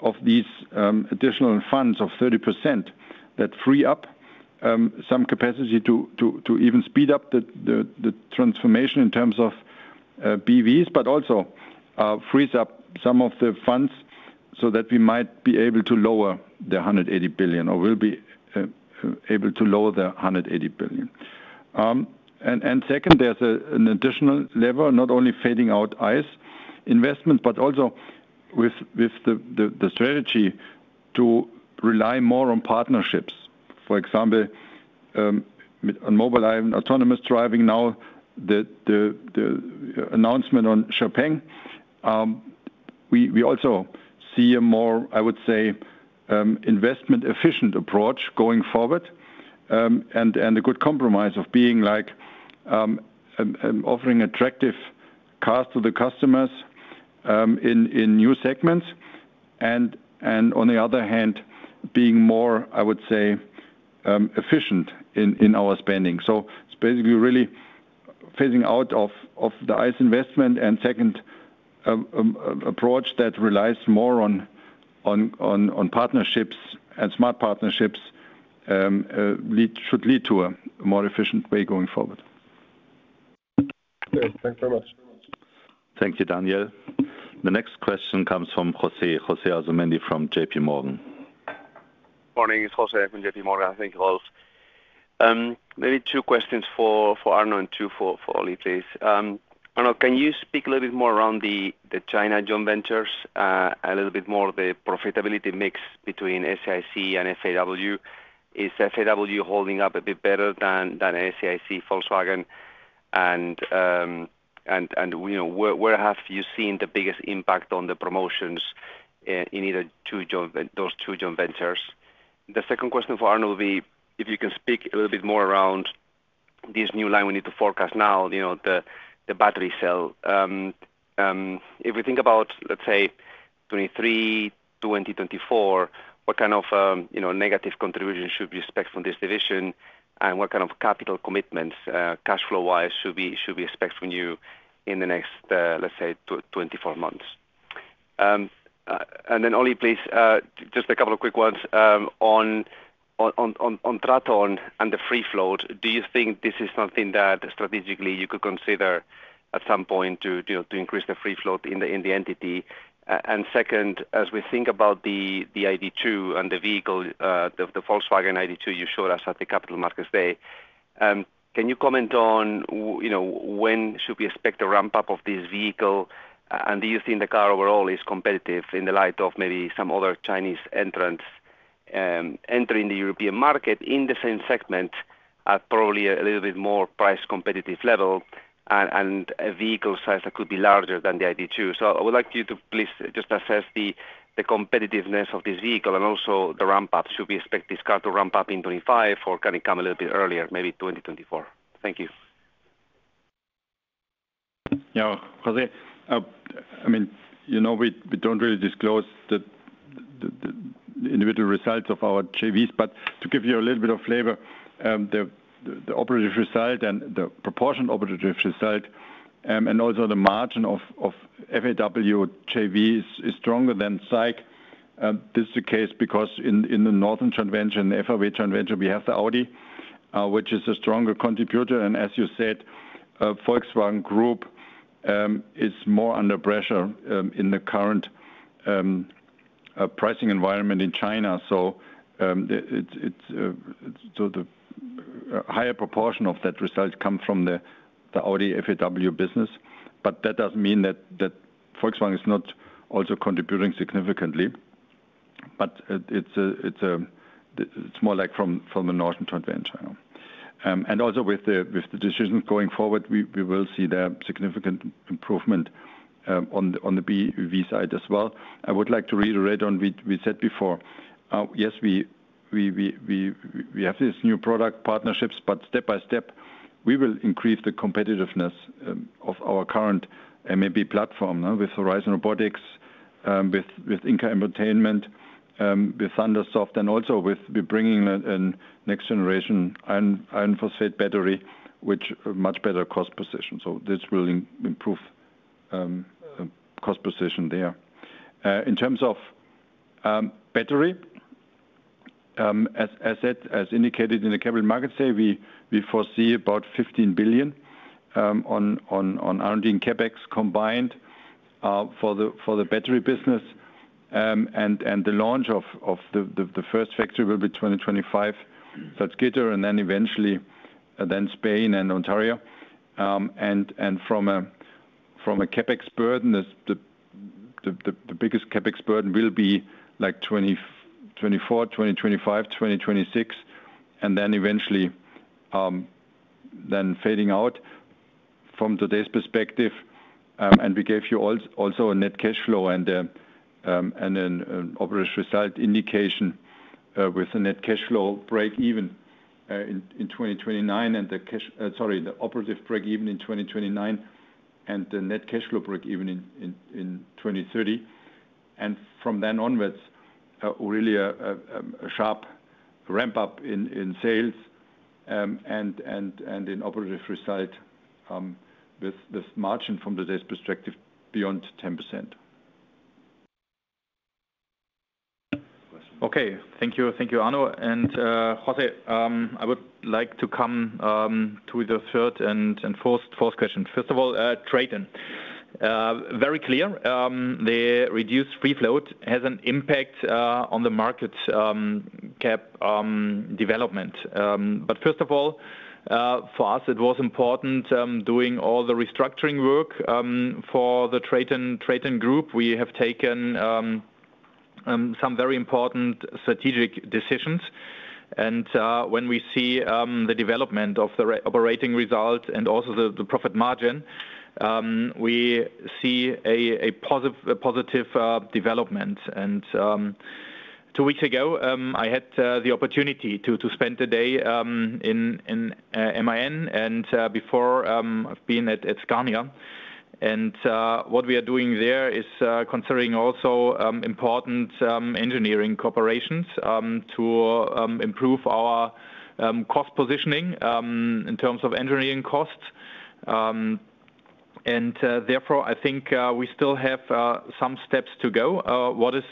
of these additional funds of 30% that free up some capacity to even speed up the transformation in terms of BEVs, but also frees up some of the funds so that we might be able to lower the 180 billion, or will be able to lower the 180 billion. Second, there's an additional level, not only fading out ICE investments, but also with the strategy to rely more on partnerships. For example, with Mobileye and autonomous driving now, the announcement on XPeng, we also see a more, I would say, investment-efficient approach going forward. A good compromise of being like offering attractive cars to the customers in new segments, and on the other hand, being more, I would say, efficient in our spending. It's basically really phasing out of the ICE investment. Second, approach that relies more on partnerships and smart partnerships should lead to a more efficient way going forward. Okay, thanks very much. Thank you, Daniel. The next question comes from José Asumendi from JPMorgan. Morning, it's José from JPMorgan. Thank you, all. Maybe two questions for Arno, and two for Oli, please. Arno, can you speak a little bit more around the China joint ventures, a little bit more the profitability mix between SAIC and FAW? Is FAW holding up a bit better than SAIC-Volkswagen? You know, where have you seen the biggest impact on the promotions in those two joint ventures? The second question for Arno will be, if you can speak a little bit more around this new line, we need to forecast now, you know, the battery cell. If we think about, let's say, 2023, 2024, what kind of, you know, negative contribution should we expect from this division? What kind of capital commitments, cash flow-wise, should we expect from you in the next, let's say, 24 months? Oliver, please, just a couple of quick ones. On Traton and the free float, do you think this is something that strategically you could consider at some point to increase the free float in the entity? Second, as we think about the ID.2 and the vehicle, the Volkswagen ID.2 you showed us at the Capital Markets Day, can you comment on, you know, when should we expect the ramp-up of this vehicle? Do you think the car overall is competitive in the light of maybe some other Chinese entrants entering the European market in the same segment at probably a little bit more price competitive level and a vehicle size that could be larger than the ID.2? I would like you to please just assess the competitiveness of this vehicle and also the ramp-up. Should we expect this car to ramp up in 25, or can it come a little bit earlier, maybe 2024? Thank you. Yeah, José, I mean, you know, we don't really disclose the individual results of our JVs, but to give you a little bit of flavor, the operative result and the proportion operative result, and also the margin of FAW JVs is stronger than SAIC. This is the case because in the northern joint venture, in the FAW joint venture, we have the Audi, which is a stronger contributor. As you said, Volkswagen Group is more under pressure in the current pricing environment in China. The higher proportion of that results come from the Audi FAW business. That doesn't mean that Volkswagen is not also contributing significantly, but it's more like from the northern joint venture. Also with the decisions going forward, we will see the significant improvement on the V side as well. I would like to reiterate on what we said before. Yes, we have this new product partnerships, but step by step, we will increase the competitiveness of our current MEB platform with Horizon Robotics, with Inca Entertainment, with Thundersoft, and also we're bringing a next-generation iron phosphate battery, which has a much better cost position. This will improve cost position there. In terms of battery, as said, as indicated in the Capital Markets Day, we foresee about 15 billion on R&D and CapEx combined for the battery business. The launch of the first factory will be 2025, that's Gita, and then eventually, Spain and Ontario. From a CapEx burden, the biggest CapEx burden will be like 2024, 2025, 2026, and then eventually, fading out from today's perspective. We gave you also a net cash flow and an operational result indication with a net cash flow break even in 2029 and the operative break even in 2029, and the net cash flow break even in 2030. From then onwards, really a sharp ramp-up in sales and in operative result with this margin from today's perspective, beyond 10%. Okay, thank you. Thank you, Arno. José, I would like to come to the third and fourth question. First of all, Traton. Very clear, the reduced free float has an impact on the market cap development. First of all, for us, it was important doing all the restructuring work for the Traton Group. We have taken some very important strategic decisions, and when we see the development of the operating result and also the profit margin, we see a positive development. Two weeks ago, I had the opportunity to spend the day in Munich and before, I've been at Scania. What we are doing there is considering also important engineering corporations to improve our cost positioning in terms of engineering costs. Therefore, I think we still have some steps to go. What is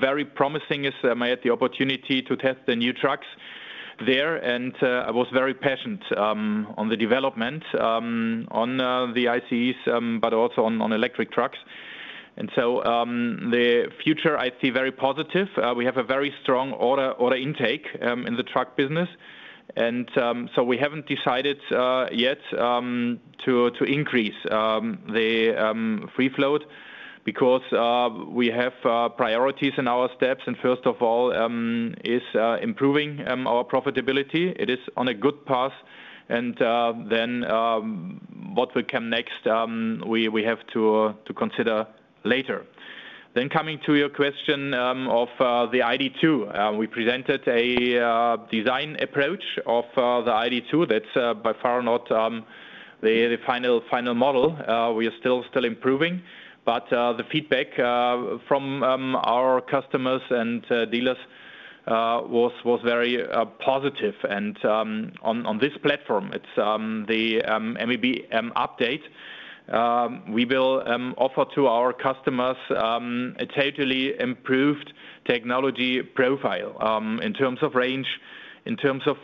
very promising is I may have the opportunity to test the new trucks there, and I was very patient on the development on the ICEs, but also on electric trucks. The future, I see very positive. We have a very strong order intake in the truck business. So we haven't decided yet to increase the free float because we have priorities in our steps. First of all, is improving our profitability. It is on a good path, then what will come next, we have to consider later. Coming to your question of the ID.2. We presented a design approach of the ID.2 that's by far not the final model. We are still improving. The feedback from our customers and dealers was very positive. On this platform, it's the MEB update, we will offer to our customers a totally improved technology profile in terms of range, in terms of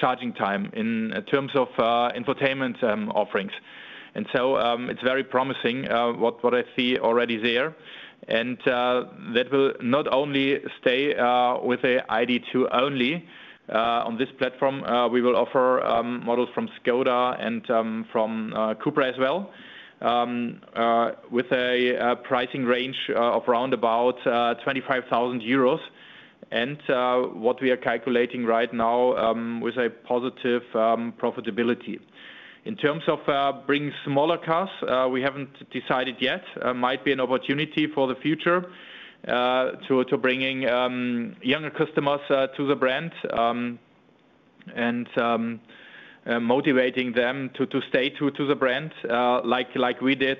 charging time, in terms of entertainment offerings. So, it's very promising what I see already there. stay with the ID.2 only on this platform. We will offer models from Škoda and from CUPRA as well with a pricing range of around 25,000 euros. What we are calculating right now with a positive profitability. In terms of bringing smaller cars, we haven't decided yet. Might be an opportunity for the future to bringing younger customers to the brand and motivating them to stay to the brand like we did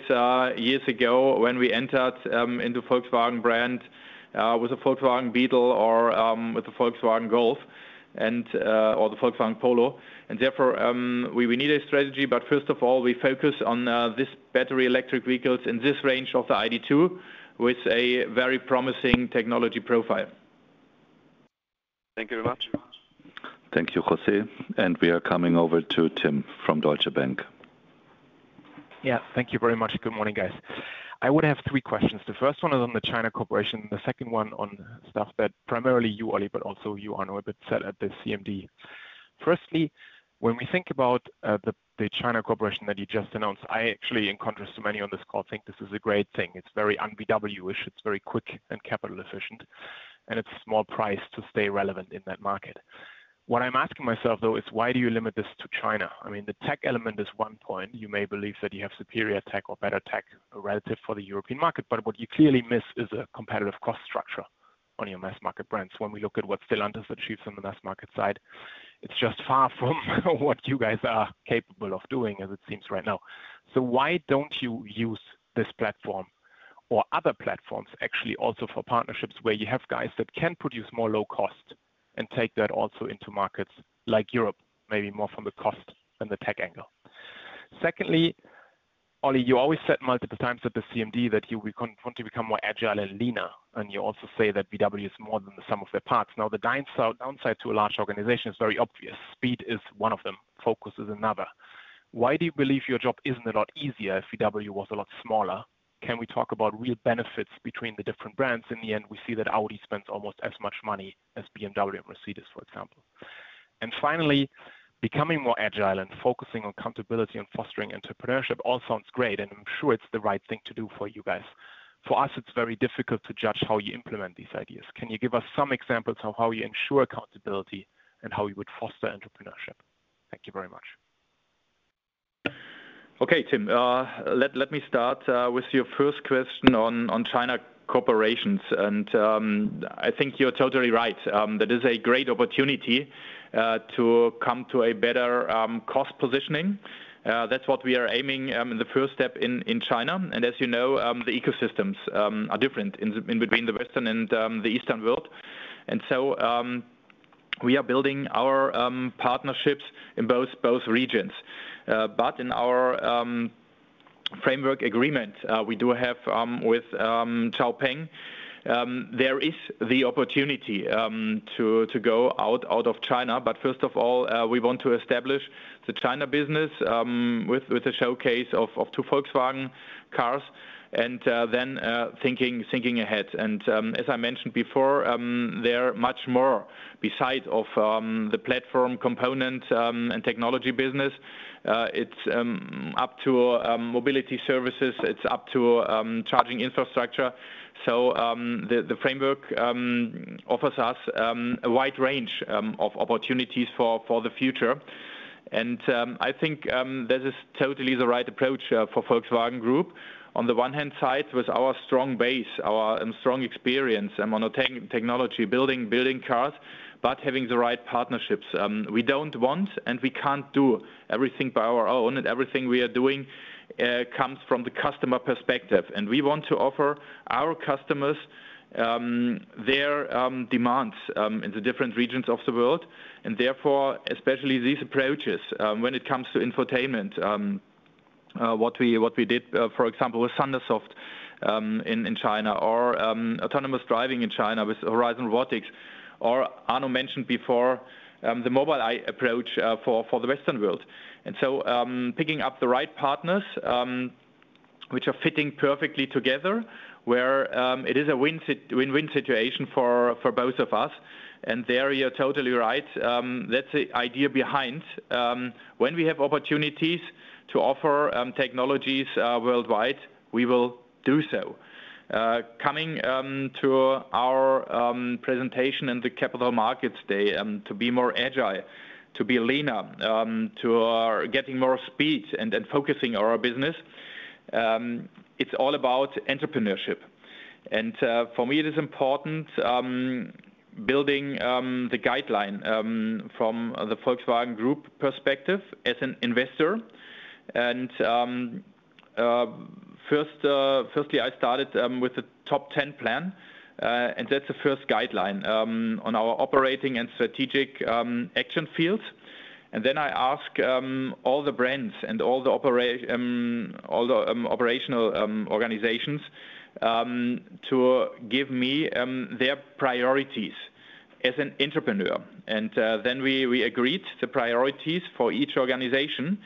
years ago when we entered into Volkswagen brand with the Volkswagen Beetle or with the Volkswagen Golf or the Volkswagen Polo Therefore, we need a strategy, but first of all, we focus on this battery electric vehicles in this range of the ID.2, with a very promising technology profile. Thank you very much. Thank you, José. We are coming over to Tim from Deutsche Bank. Thank you very much. Good morning, guys. I would have three questions. The first one is on the China Corporation, the second one on stuff that primarily you, Oli, but also you, Arno, a bit said at the CMD. When we think about the China Corporation that you just announced, I actually, in contrast to many on this call, think this is a great thing. It's very un-VW-ish, it's very quick and capital efficient, and it's a small price to stay relevant in that market. What I'm asking myself, though, is why do you limit this to China? I mean, the tech element is one point. You may believe that you have superior tech or better tech relative for the European market, but what you clearly miss is a competitive cost structure on your mass market brands. When we look at what Stellantis achieves on the mass market side, it's just far from what you guys are capable of doing, as it seems right now. Why don't you use this platform or other platforms, actually, also for partnerships where you have guys that can produce more low cost and take that also into markets like Europe, maybe more from the cost and the tech angle? Secondly, Oli, you always said multiple times at the CMD that you would want to become more agile and leaner, and you also say that VW is more than the sum of their parts. The downside to a large organization is very obvious. Speed is one of them, focus is another. Why do you believe your job isn't a lot easier if VW was a lot smaller? Can we talk about real benefits between the different brands? In the end, we see that Audi spends almost as much money as BMW and Mercedes, for example. Finally, becoming more agile and focusing on accountability and fostering entrepreneurship all sounds great, and I'm sure it's the right thing to do for you guys. For us, it's very difficult to judge how you implement these ideas. Can you give us some examples of how you ensure accountability and how you would foster entrepreneurship? Thank you very much. Okay, Tim. Let me start with your first question on China corporations. I think you're totally right. That is a great opportunity to come to a better cost positioning. That's what we are aiming in the first step in China. As you know, the ecosystems are different in between the Western and the Eastern world. So we are building our partnerships in both regions. But in our framework agreement we do have with XPeng, there is the opportunity to go out of China. But first of all, we want to establish the China business with a showcase of two Volkswagen cars and then thinking ahead. As I mentioned before, there are much more beside of the platform component and technology business. It's up to mobility services, it's up to charging infrastructure. The framework offers us a wide range of opportunities for the future. I think this is totally the right approach for Volkswagen Group. On the one-hand side, with our strong base, our strong experience on the technology, building cars, but having the right partnerships. We don't want, and we can't do everything by our own, and everything we are doing comes from the customer perspective. We want to offer our customers their demands in the different regions of the world, and therefore, especially these approaches when it comes to infotainment. What we did, for example, with ThunderSoft, in China, or autonomous driving in China with Horizon Robotics, or Arno mentioned before, the Mobileye approach, for the Western world. Picking up the right partners, which are fitting perfectly together, where it is a win-win situation for both of us, and there you're totally right. That's the idea behind... When we have opportunities to offer technologies worldwide, we will do so. Coming to our presentation in the Capital Markets Day, to be more agile, to be leaner, to getting more speed and focusing our business, it's all about entrepreneurship. For me, it is important, building the guideline, from the Volkswagen Group perspective as an investor. First, firstly, I started with the Top Ten program, and that's the first guideline on our operating and strategic action fields. Then I ask all the brands and all the operational organizations to give me their priorities as an entrepreneur. Then we agreed the priorities for each organization,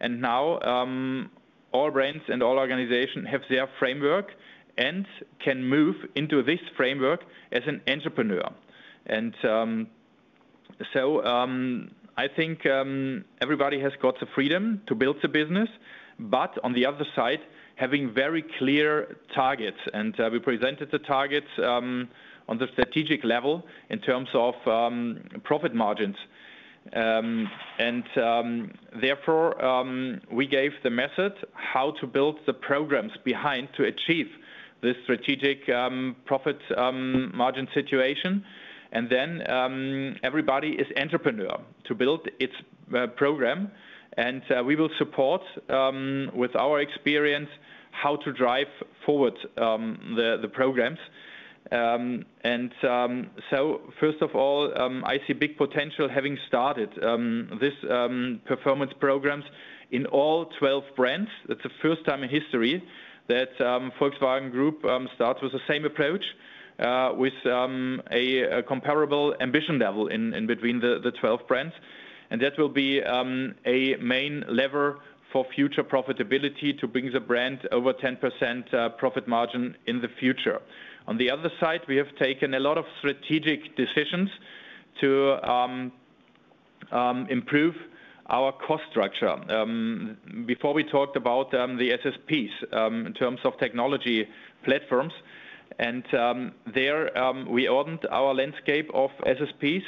and now all brands and all organization have their framework and can move into this framework as an entrepreneur. So I think everybody has got the freedom to build the business, but on the other side, having very clear targets. We presented the targets on the strategic level in terms of profit margins. Therefore, we gave the method how to build the programs behind to achieve this strategic profit margin situation. Everybody is entrepreneur to build its program, and we will support with our experience how to drive forward the programs. First of all, I see big potential having started this performance programs in all 12 brands. That's the first time in history that Volkswagen Group starts with the same approach with a comparable ambition level in between the 12 brands. That will be a main lever for future profitability to bring the brand over 10% profit margin in the future. On the other side, we have taken a lot of strategic decisions to improve our cost structure. Before we talked about the SSPs in terms of technology platforms, and there we ordered our landscape of SSPs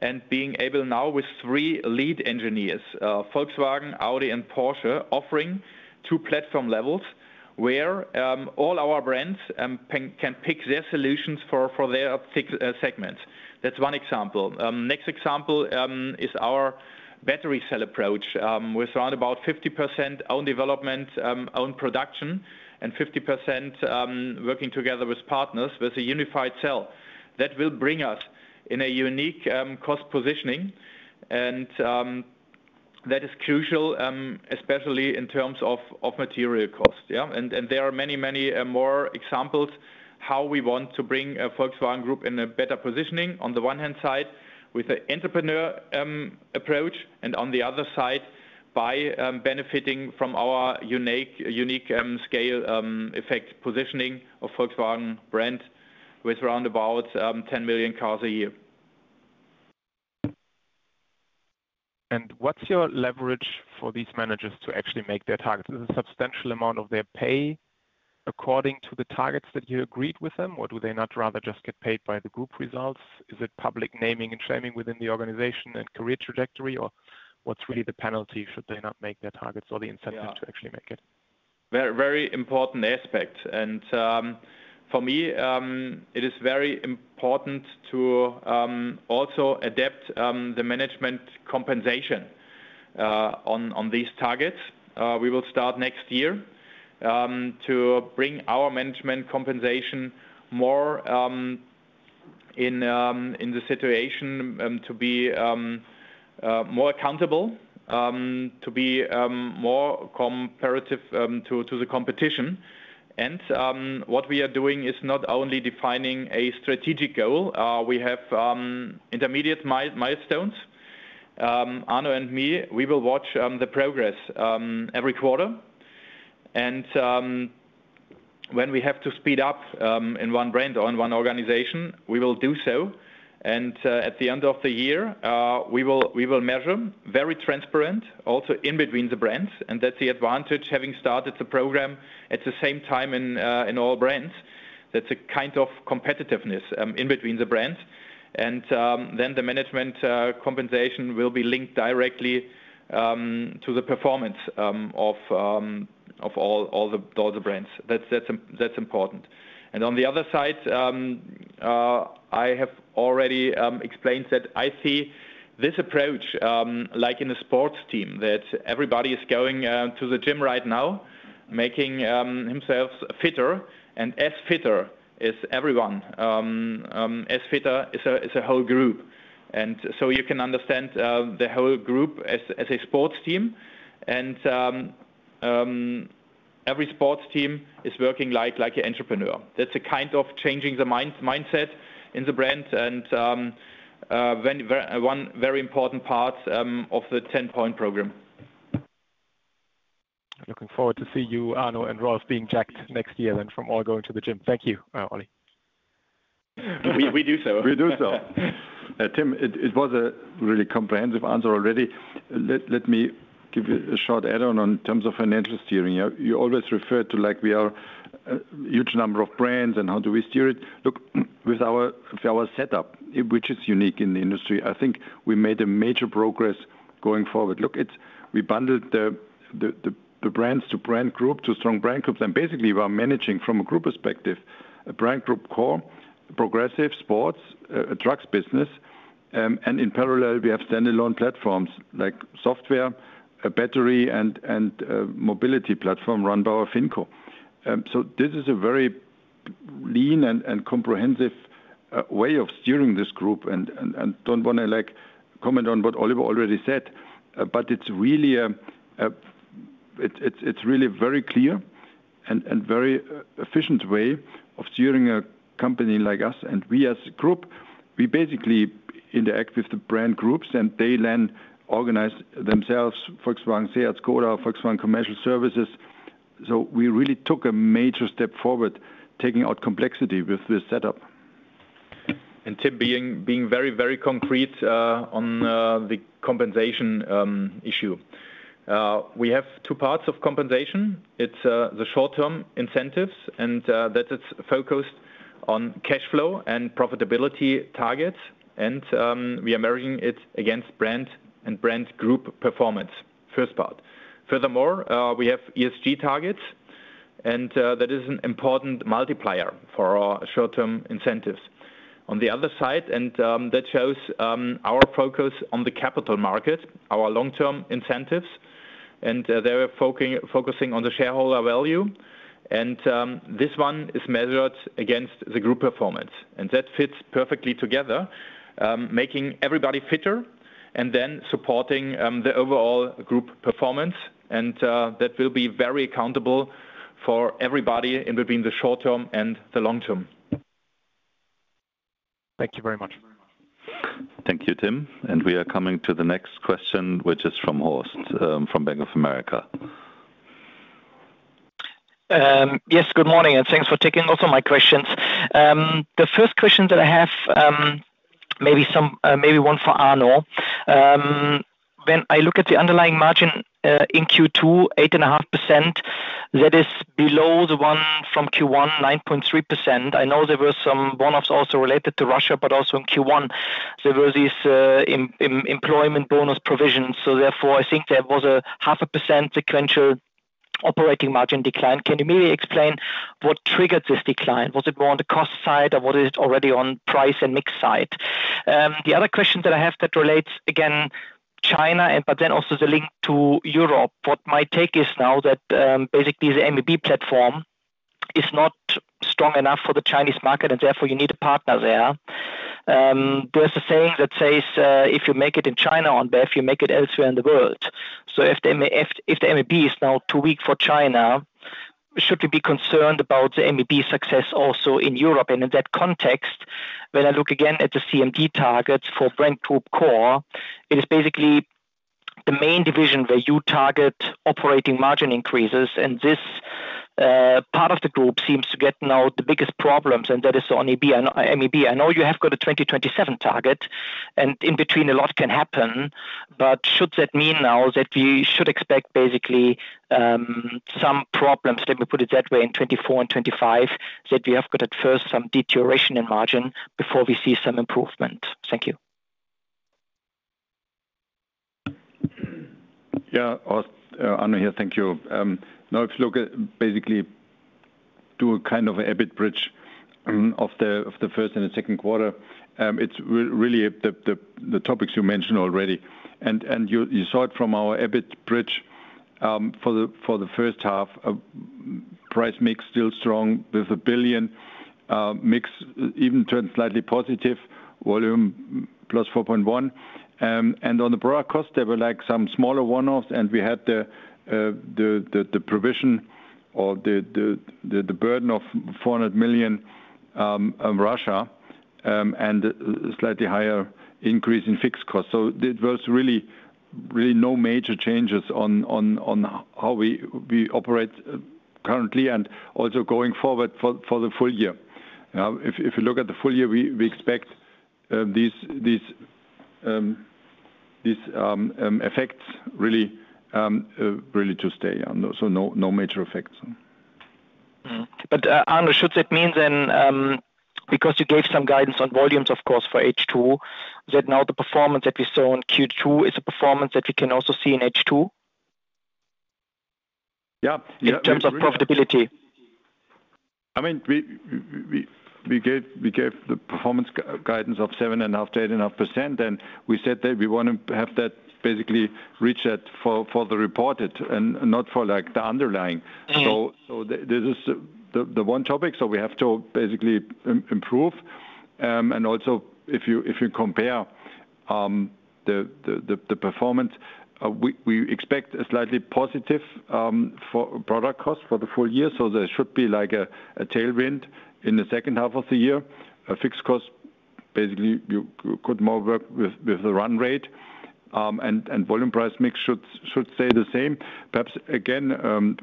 and being able now with three lead engineers, Volkswagen, Audi, and Porsche, offering two platform levels, where all our brands can pick their solutions for their segments. That's one example. Next example is our battery cell approach with around about 50% own development, own production, and 50% working together with partners with a unified cell. That will bring us in a unique cost positioning, and that is crucial especially in terms of material cost. There are many more examples how we want to bring Volkswagen Group in a better positioning, on the one-hand side, with the entrepreneur approach, and on the other side, by benefiting from our unique scale effect positioning of Volkswagen brand with around about 10 million cars a year. What's your leverage for these managers to actually make their targets? Is it a substantial amount of their pay according to the targets that you agreed with them, or do they not rather just get paid by the group results? Is it public naming and shaming within the organization and career trajectory, or what's really the penalty should they not make their targets or the incentive? Yeah to actually make it? Very, very important aspect. For me, it is very important to also adapt the management compensation on these targets. We will start next year to bring our management compensation more in the situation to be more accountable, to be more comparative to the competition. What we are doing is not only defining a strategic goal, we have intermediate milestones. Arno and me, we will watch the progress every quarter. When we have to speed up in one brand or in one organization, we will do so. e year, we will measure, very transparent, also in between the brands, and that's the advantage, having started the program at the same time in all brands. That's a kind of competitiveness in between the brands. Then the management compensation will be linked directly to the performance of all the brands. That's important. On the other side, I have already explained that I see this approach like in a sports team, that everybody is going to the gym right now, making themselves fitter, and as fitter as everyone, as fitter as a whole group. So you can understand the whole group as a sports team. Every sports team is working like a entrepreneur. That's a kind of changing the mindset in the brand and one very important part of the ten-point program. Looking forward to see you, Arno and Rolf, being jacked next year then from all going to the gym. Thank you, Oli. We do so. We do so. Tim, it was a really comprehensive answer already. Let me give you a short add-on on terms of financial steering. Yeah, you always refer to, like, we are a huge number of brands, and how do we steer it? Look, with our setup, which is unique in the industry, I think we made a major progress going forward. Look, we bundled the brands to Brand Group, to strong Brand Groups, and basically we are managing from a group perspective, a Brand Group Core, Progressive Sports, trucks business. In parallel, we have standalone platforms like software, a battery, and mobility platform run by our FinCO. This is a very lean and comprehensive way of steering this group and don't want to, like, comment on what Oliver already said. It's really a, it's really very clear and very efficient way of steering a company like us. We as a group basically interact with the brand groups, and they then organize themselves, Volkswagen, SEAT, Škoda, Volkswagen Commercial Services. We really took a major step forward, taking out complexity with this setup. Tim, being very concrete on the compensation issue. We have two parts of compensation. It's the short-term incentives, and that is focused on cash flow and profitability targets, and we are measuring it against brand and Brand Group performance, first part. Furthermore, we have ESG targets, and that is an important multiplier for our short-term incentives. On the other side, and that shows our focus on the capital market, our long-term incentives, and they're focusing on the shareholder value. This one is measured against the group performance, and that fits perfectly together, making everybody fitter and then supporting the overall group performance. That will be very accountable for everybody in between the short term and the long term. Thank you very much. Thank you, Tim. We are coming to the next question, which is from Horst, from Bank of America. Yes, good morning. Thanks for taking also my questions. The first question that I have, maybe some, maybe one for Arno. When I look at the underlying margin in Q2, 8.5%, that is below the one from Q1, 9.3%. I know there were some one-offs also related to Russia. Also in Q1, there were these employment bonus provisions. Therefore, I think there was a 0.5% sequential operating margin decline. Can you maybe explain what triggered this decline? Was it more on the cost side, or was it already on price and mix side? The other question that I have that relates again, China, also the link to Europe. What my take is now that basically the MEB platform is not strong enough for the Chinese market, and therefore you need a partner there. There's a saying that says, "If you make it in China on MEB, you make it elsewhere in the world." If the MEB is now too weak for China, should we be concerned about the MEB success also in Europe? In that context, when I look again at the CMD targets for Brand Group Core, it is basically the main division where you target operating margin increases, and this part of the group seems to get now the biggest problems, and that is on MEB. I know you have got a 2027 target, and in between, a lot can happen, but should that mean now that we should expect basically, some problems, let me put it that way, in 2024 and 2025, that we have got at first some deterioration in margin before we see some improvement? Thank you. Yeah. Horst, Arno here. Thank you. Now, if you look at basically do a kind of an EBIT bridge, of the first and the second quarter, it's really the topics you mentioned already. You saw it from our EBIT bridge for the first half. Price mix still strong with 1 billion, mix even turned slightly positive, volume plus 4.1%. On the product cost, there were like some smaller one-offs, and we had the provision or the burden of 400 million in Russia, and slightly higher increase in fixed costs. There was really no major changes on how we operate currently and also going forward for the full year. If you look at the full year, we expect these effects really to stay on. No major effects. Arno, should that mean then, because you gave some guidance on volumes, of course, for H2, that now the performance that we saw on Q2 is a performance that we can also see in H2? Yeah, yeah. In terms of profitability. I mean, we gave the performance guidance of 7.5%-8.5%, we said that we want to have that basically reach that for the reported and not for, like, the underlying. Mm-hmm. This is the one topic, we have to basically improve. Also, if you compare the performance, we expect a slightly positive for product cost for the full year, so there should be like a tailwind in the second half of the year. A fixed cost, basically, you could more work with the run rate, and volume price mix should stay the same. Perhaps again,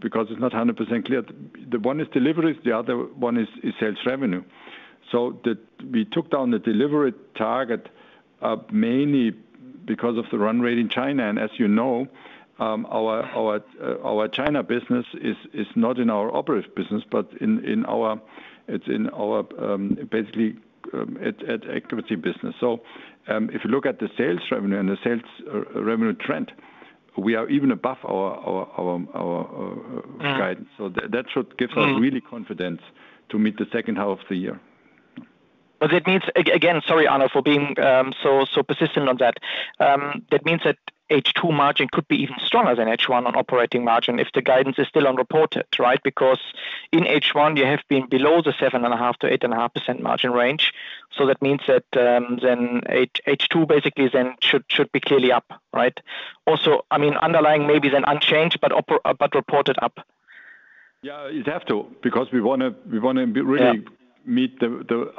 because it's not 100% clear, the one is deliveries, the other one is sales revenue. We took down the delivery target, mainly because of the run rate in China. As you know, our China business is not in our operative business, but it's in our basically activity business. If you look at the sales revenue and the sales revenue trend, we are even above our guidance. Mm-hmm. That should give us really confidence to meet the second half of the year. That means, again, sorry, Arno, for being so persistent on that. That means that H2 margin could be even stronger than H1 on operating margin if the guidance is still on reported, right? Because in H1, you have been below the 7.5%-8.5% margin range. That means that H2 basically should be clearly up, right? Also, I mean, underlying maybe then unchanged, but reported up. Yeah, you'd have to, because we want to be really... Yeah... meet the,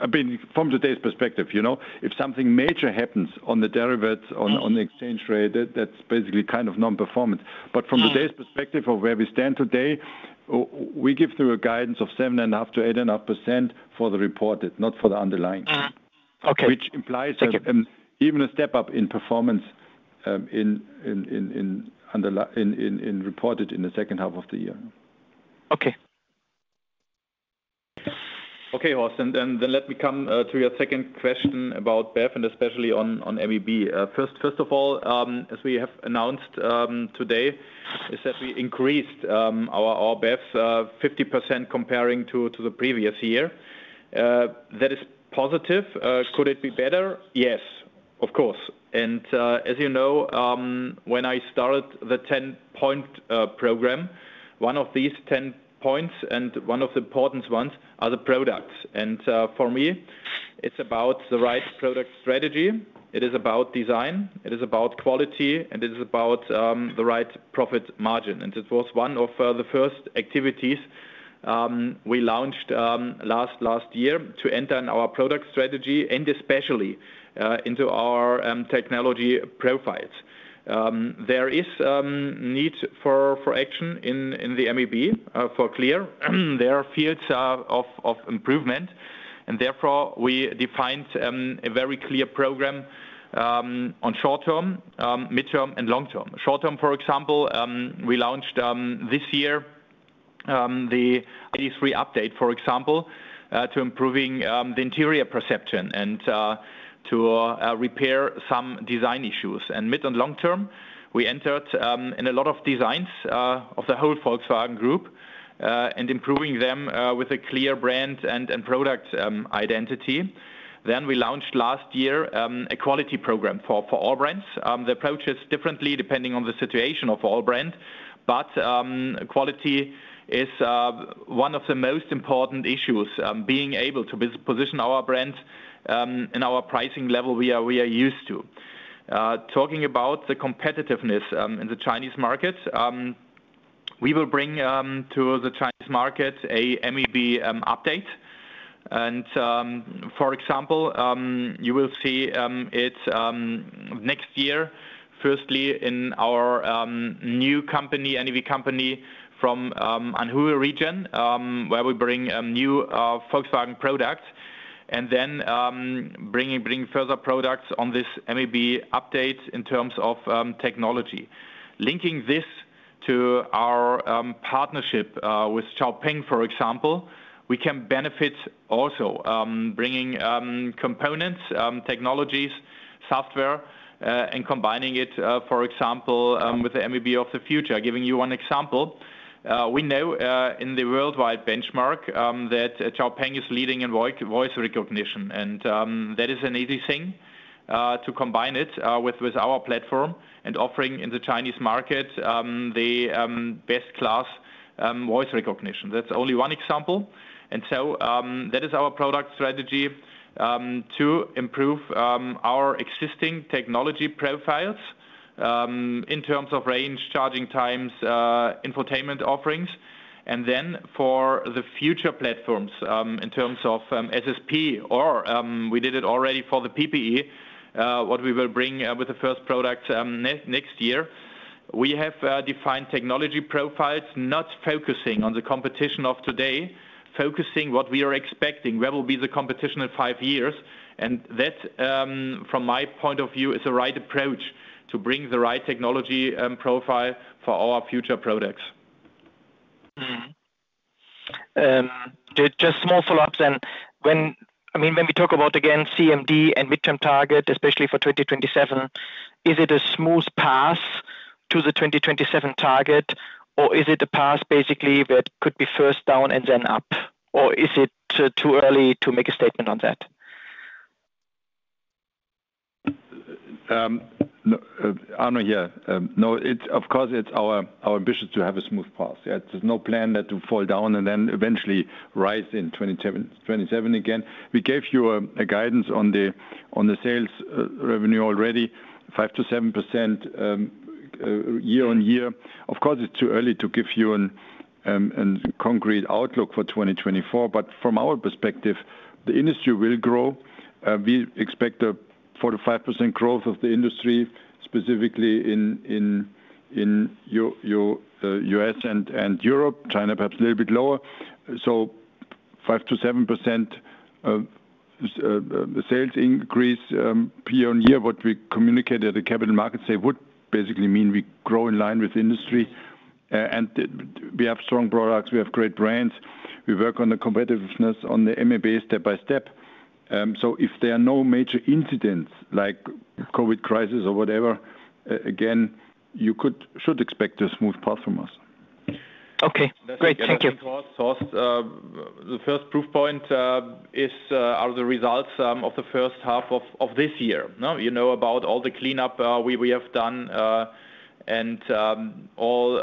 I mean, from today's perspective, you know, if something major happens on the derivatives, on the exchange rate, that's basically kind of non-performance. Mm-hmm. From today's perspective of where we stand today, we give through a guidance of 7.5%-8.5% for the reported, not for the underlying. Mm-hmm. Okay. Which implies- Thank you.... even a step up in performance, in reported in the second half of the year. Okay. Okay, Horst. Then let me come to your second question about BEV and especially on MEB. First of all, as we have announced today, is that we increased our BEVs 50% comparing to the previous year. That is positive. Could it be better? Yes, of course. As you know, when I started the Top Ten program, one of these 10 points and one of the important ones are the products. For me, it's about the right product strategy, it is about design, it is about quality, and it is about the right profit margin. It was one of the first activities we launched last year to enter in our product strategy and especially into our technology profiles. There is need for action in the MEB for clear. There are fields of improvement. Therefore, we defined a very clear program on short-term, mid-term, and long-term. Short-term, for example, we launched this year the ID.3 update, for example, to improving the interior perception and to repair some design issues. Mid- and long-term, we entered in a lot of designs of the whole Volkswagen Group and improving them with a clear brand and product identity. We launched last year a quality program for all brands. The approach is differently depending on the situation of all brand, but quality is one of the most important issues, being able to position our brand in our pricing level we are used to. Talking about the competitiveness in the Chinese market, we will bring to the Chinese market a MEB update. For example, you will see it next year, firstly in our new company, MEB company from Anhui region, where we bring a new Volkswagen product, and then bring further products on this MEB update in terms of technology. Linking this to our partnership with XPeng, for example, we can benefit also bringing components, technologies, software, and combining it, for example, with the MEB of the future. Giving you one example, we know in the worldwide benchmark that XPeng is leading in voice recognition, and that is an easy thing. to combine it with our platform and offering in the Chinese market, the best class voice recognition. That's only one example. That is our product strategy to improve our existing technology profiles in terms of range, charging times, infotainment offerings. For the future platforms, in terms of SSP or we did it already for the PPE, what we will bring with the first product next year. We have defined technology profiles, not focusing on the competition of today, focusing what we are expecting, where will be the competition in five years. That, from my point of view, is the right approach to bring the right technology profile for our future products. Just small follow-ups then. I mean, when we talk about, again, CMD and midterm target, especially for 2027, is it a smooth path to the 2027 target, or is it a path basically that could be first down and then up? Is it too early to make a statement on that? Arno here. It, of course, it's our ambition to have a smooth path. There's no plan that to fall down and then eventually rise in 27, 2027 again. We gave you a guidance on the sales revenue already, 5%-7% year-on-year. Of course, it's too early to give you an concrete outlook for 2024, from our perspective, the industry will grow. We expect a 4%-5% growth of the industry, specifically in U.S. and Europe, China, perhaps a little bit lower. 5%-7% sales increase year-on-year, what we communicated at the capital markets, they would basically mean we grow in line with industry. We have strong products, we have great brands. We work on the competitiveness on the MEB step by step. If there are no major incidents like COVID crisis or whatever, you should expect a smooth path from us. Okay, great. Thank you. The first proof point is the results of the first half of this year. Now, you know about all the cleanup we have done and all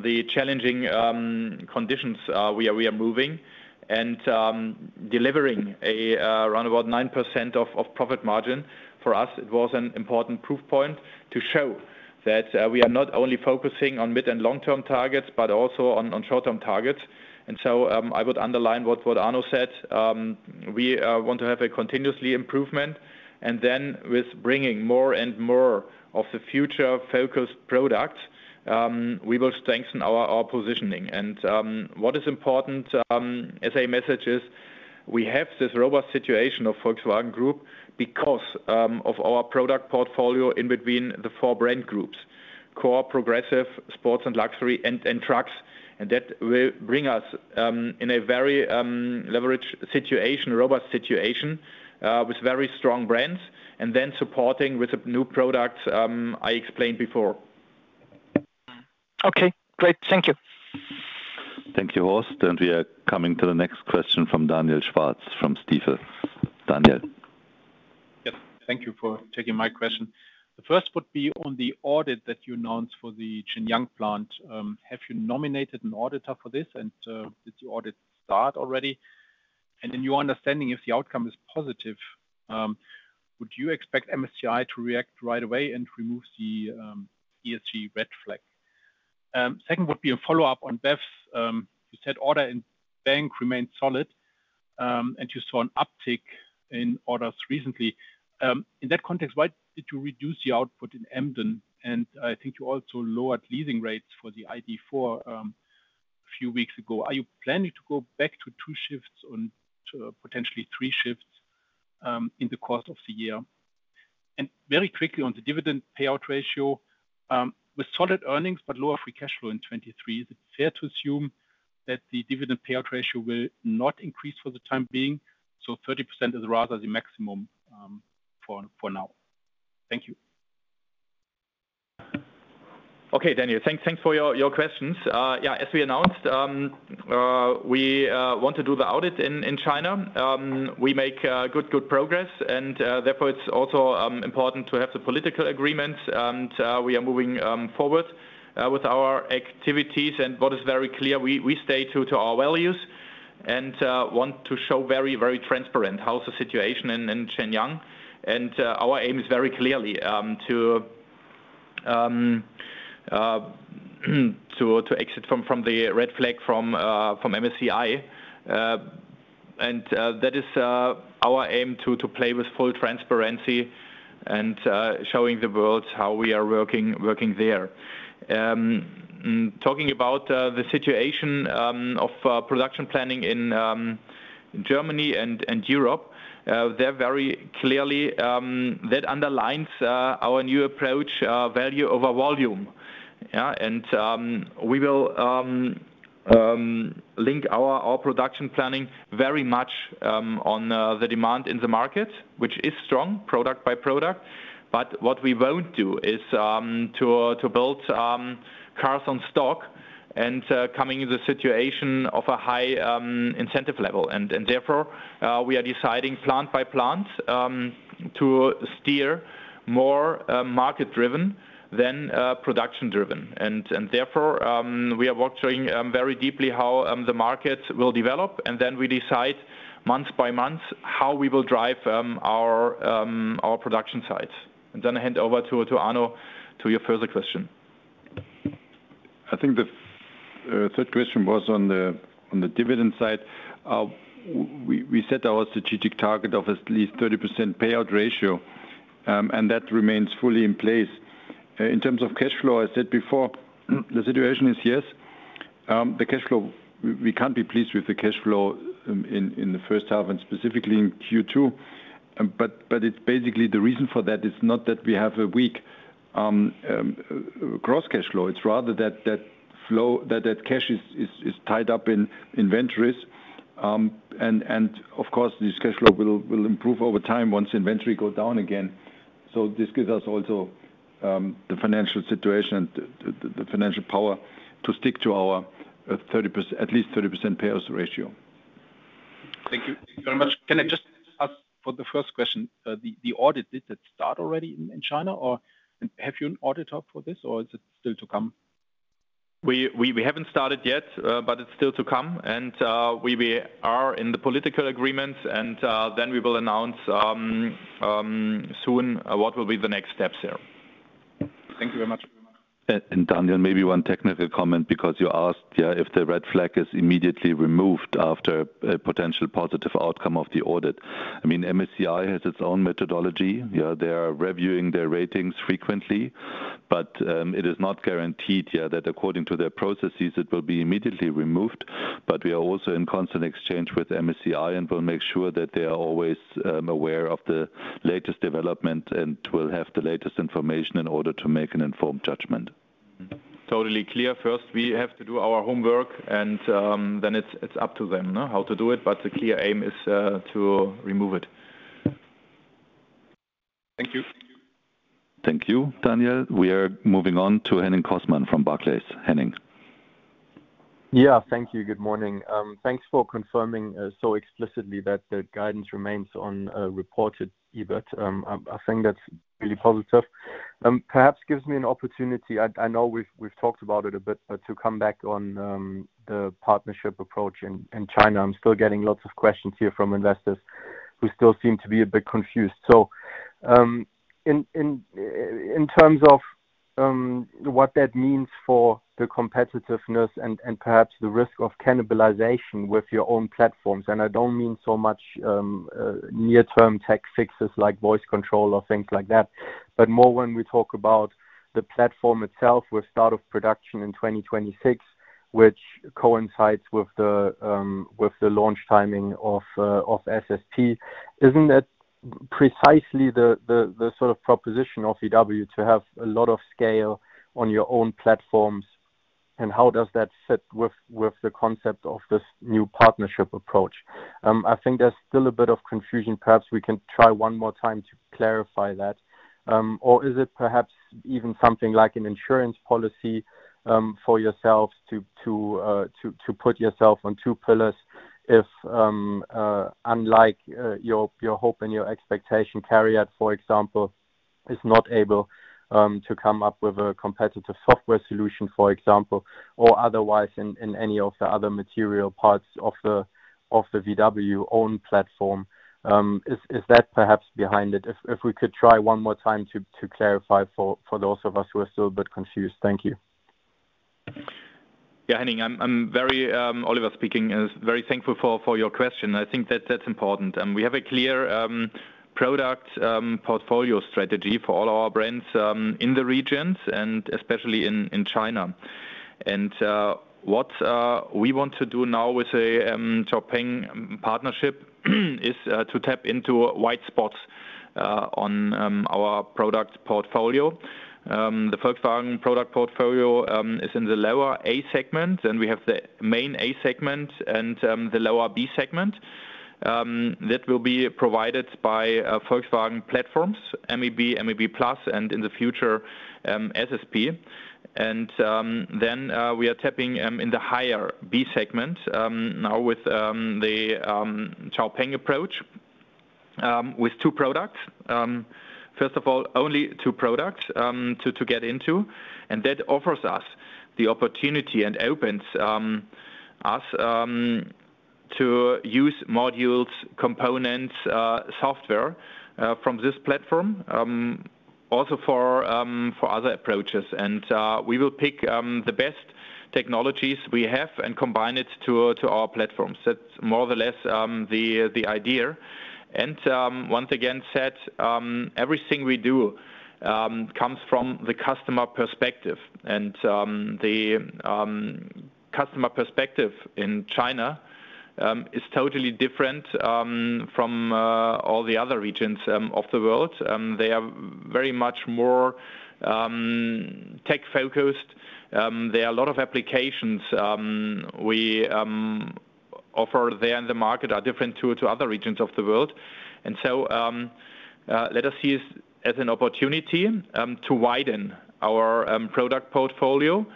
the challenging conditions we are moving. Delivering around about 9% of profit margin, for us, it was an important proof point to show that we are not only focusing on mid and long-term targets, but also on short-term targets. I would underline what Arno said. We want to have a continuously improvement, and then with bringing more and more of the future-focused products, we will strengthen our positioning. What is important as a message is, we have this robust situation of Volkswagen Group because of our product portfolio in between the four brand groups, Core, Progressive, sports and luxury, and trucks. That will bring us in a very leveraged situation, a robust situation, with very strong brands, and then supporting with the new products I explained before. Okay, great. Thank you. Thank you, Horst. We are coming to the next question from Daniel Schwarz, from Stifel. Daniel. Yes, thank you for taking my question. The first would be on the audit that you announced for the Xinjiang plant. Have you nominated an auditor for this, did the audit start already? In your understanding, if the outcome is positive, would you expect MSCI to react right away and remove the ESG red flag? Second would be a follow-up on BEVs. You said order in bank remains solid, you saw an uptick in orders recently. In that context, why did you reduce the output in Emden? I think you also lowered leasing rates for the ID.4 a few weeks ago. Are you planning to go back to two shifts to potentially three shifts in the course of the year? Very quickly on the dividend payout ratio, with solid earnings but lower free cash flow in 2023, is it fair to assume that the dividend payout ratio will not increase for the time being, so 30% is rather the maximum, for now? Thank you. Okay, Daniel, thanks for your questions. Yeah, as we announced, we want to do the audit in China. We make good progress, and therefore, it's also important to have the political agreement. We are moving forward with our activities. What is very clear, we stay true to our values and want to show very transparent, how is the situation in Xinjiang. Our aim is very clearly to exit from the red flag from MSCI. That is our aim to play with full transparency and showing the world how we are working there. Talking about the situation of production planning in Germany and Europe, they're very clearly. That underlines our new approach, value over volume. Yeah, we will link our production planning very much on the demand in the market, which is strong, product by product. What we won't do is to build cars on stock and coming in the situation of a high incentive level. Therefore, we are deciding plant by plant to steer more market-driven than production-driven. Therefore, we are watching very deeply how the market will develop, and then we decide month by month how we will drive our production sites. I hand over to Arno, to your further question. I think the third question was on the, on the dividend side. We set our strategic target of at least 30% payout ratio, and that remains fully in place. In terms of cash flow, I said before, the situation is, yes, the cash flow, we can't be pleased with the cash flow in the first half and specifically in Q2. It's basically the reason for that is not that we have a weak gross cash flow. It's rather that cash is tied up in inventories. Of course, this cash flow will improve over time once inventory go down again. This gives us also, the financial situation, the financial power to stick to our at least 30% payout ratio. Thank you very much. Can I just ask for the first question? The audit, did it start already in China, or have you an audit up for this, or is it still to come? We haven't started yet. It's still to come. We are in the political agreement. We will announce soon what will be the next steps here. Thank you very much. Daniel, maybe one technical comment, because you asked if the red flag is immediately removed after a potential positive outcome of the audit. I mean, MSCI has its own methodology. They are reviewing their ratings frequently, but it is not guaranteed that according to their processes, it will be immediately removed. We are also in constant exchange with MSCI and will make sure that they are always aware of the latest development and will have the latest information in order to make an informed judgment. Totally clear. First, we have to do our homework, and then it's up to them, you know, how to do it, but the clear aim is to remove it. Thank you. Thank you, Daniel. We are moving on to Henning Cosman from Barclays. Henning. Yeah, thank you. Good morning. Thanks for confirming so explicitly that the guidance remains on reported EBIT. I think that's really positive. Perhaps gives me an opportunity. I know we've talked about it a bit, but to come back on the partnership approach in China, I'm still getting lots of questions here from investors who still seem to be a bit confused. In terms of what that means for the competitiveness and perhaps the risk of cannibalization with your own platforms, and I don't mean so much near-term tech fixes like voice control or things like that, but more when we talk about the platform itself with start of production in 2026, which coincides with the launch timing of SSP. Isn't that precisely the sort of proposition of VW to have a lot of scale on your own platforms, and how does that fit with the concept of this new partnership approach? I think there's still a bit of confusion. Perhaps we can try one more time to clarify that. Is it perhaps even something like an insurance policy for yourselves to put yourself on two pillars if unlike your hope and your expectation, CARIAD, for example, is not able to come up with a competitive software solution, for example, or otherwise in any of the other material parts of the VW own platform. Is that perhaps behind it? If we could try one more time to clarify for those of us who are still a bit confused. Thank you. Yeah, Henning, I'm very, Oliver speaking, is very thankful for your question. I think that that's important. We have a clear product portfolio strategy for all our brands in the regions and especially in China. What we want to do now with the XPeng partnership, is to tap into wide spots on our product portfolio. The Volkswagen product portfolio is in the lower A segment, and we have the main A segment and the lower B segment that will be provided by Volkswagen platforms, MEB+, and in the future, SSP. Then we are tapping in the higher B segment now with the XPeng approach with two products. First of all, only two products to get into, and that offers us the opportunity and opens us to use modules, components, software from this platform also for other approaches. We will pick the best technologies we have and combine it to our platforms. That's more or less the idea. Once again, set, everything we do comes from the customer perspective. The customer perspective in China is totally different from all the other regions of the world. They are very much more tech-focused. There are a lot of applications we offer there in the market are different to other regions of the world. Let us see this as an opportunity to widen our product portfolio.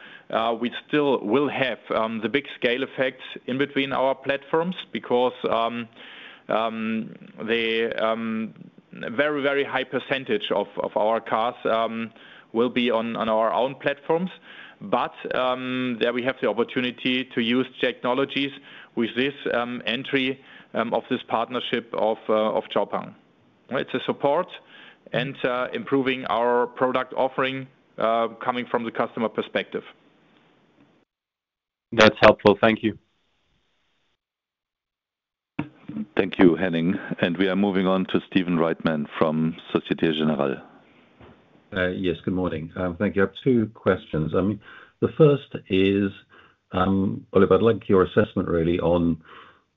We still will have the big scale effects in between our platforms because the very high percentage of our cars will be on our own platforms. There we have the opportunity to use technologies with this entry of this partnership of XPeng. It's a support and improving our product offering coming from the customer perspective. That's helpful. Thank you. Thank you, Henning. We are moving on to Stephen Reitman from Société Générale. Yes, good morning. Thank you. I have two questions. The first is, Oliver, I'd like your assessment really on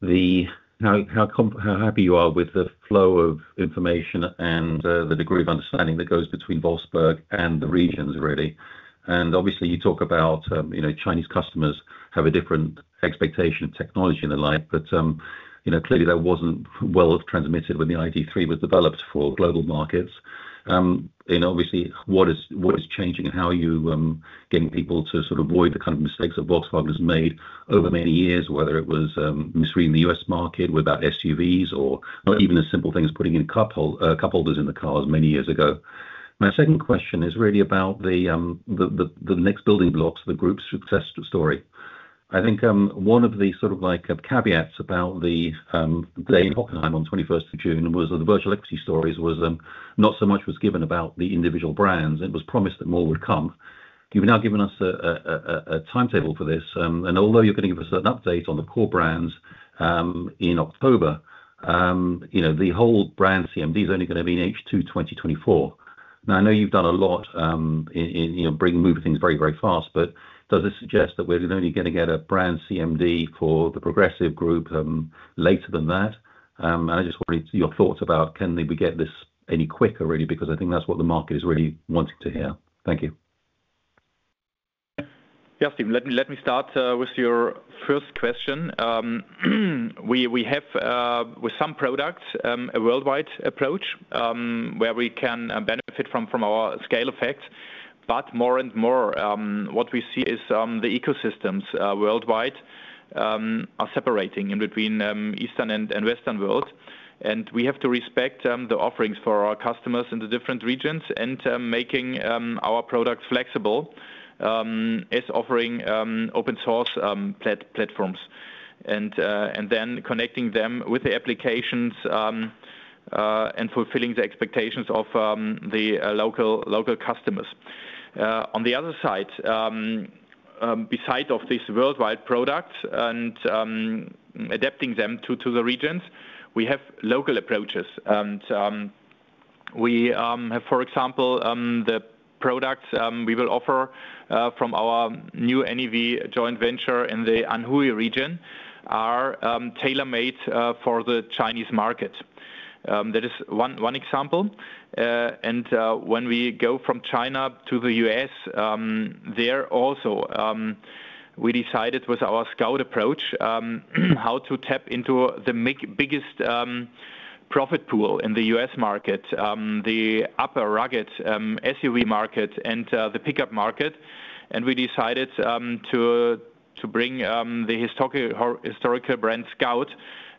how happy you are with the flow of information and the degree of understanding that goes between Wolfsburg and the regions, really. Obviously, you talk about, you know, Chinese customers have a different expectation of technology in their life. You know, clearly that wasn't well transmitted when the ID.3 was developed for global markets. Obviously, what is changing, and how are you getting people to sort of avoid the kind of mistakes that Volkswagen has made over many years? Whether it was misreading the U.S. market without SUVs or even as simple thing as putting in cup holders in the cars many years ago. My second question is really about the next building blocks, the group's success story. I think, one of the sort of like caveats about the day in Hockenheimring on 21st of June was the virtual equity stories, not so much was given about the individual brands. It was promised that more would come. You've now given us a timetable for this, although you're going to give us an update on the core brands in October, you know, the whole brand CMD is only gonna be in H2 2024. I know you've done a lot in, you know, bringing, moving things very, very fast, does this suggest that we're only gonna get a brand CMD for the progressive group later than that? I just wanted your thoughts about can we get this any quicker, really? I think that's what the market is really wanting to hear. Thank you. Yeah, Steven. Let me start with your first question. We have with some products a worldwide approach where we can benefit from our scale effects. More and more, what we see is the ecosystems worldwide are separating in between Eastern and Western world. We have to respect the offerings for our customers in the different regions. Making our products flexible is offering open source platforms, and then connecting them with the applications and fulfilling the expectations of the local customers. On the other side, beside of this worldwide products and adapting them to the regions, we have local approaches. We, for example, the products we will offer from our new NEV joint venture in the Anhui region are tailor-made for the Chinese market. That is one example. When we go from China to the US, there also we decided with our Scout approach how to tap into the biggest profit pool in the U.S. market, the upper rugged SUV market and the pickup market. We decided to bring the historical brand, Scout,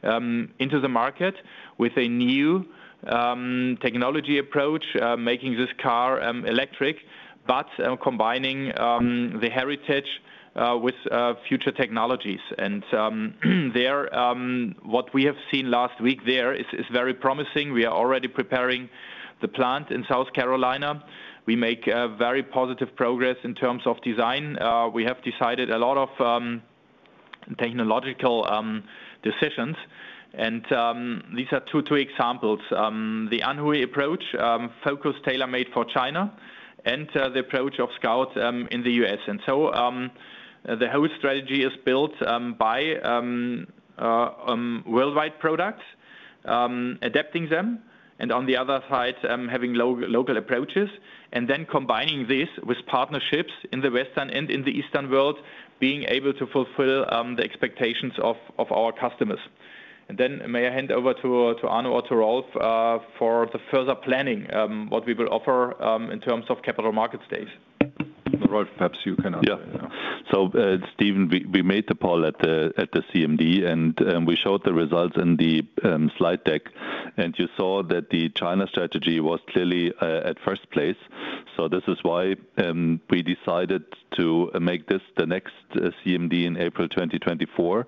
into the market with a new technology approach, making this car electric, but combining the heritage with future technologies. There, what we have seen last week there is very promising. We are already preparing the plant in South Carolina. We make very positive progress in terms of design. We have decided a lot of technological decisions, these are two examples. The Anhui approach focused tailor-made for China, the approach of Scout in the U.S. The whole strategy is built by worldwide products, adapting them, on the other side having local approaches, combining this with partnerships in the Western and in the Eastern world, being able to fulfill the expectations of our customers. May I hand over to Arno or to Rolf for the further planning, what we will offer in terms of capital markets days? Rolf, perhaps you can. Yeah. Stephen, we made the poll at the CMD, and we showed the results in the slide deck, and you saw that the China strategy was clearly at first place. This is why we decided to make this the next CMD in April 2024.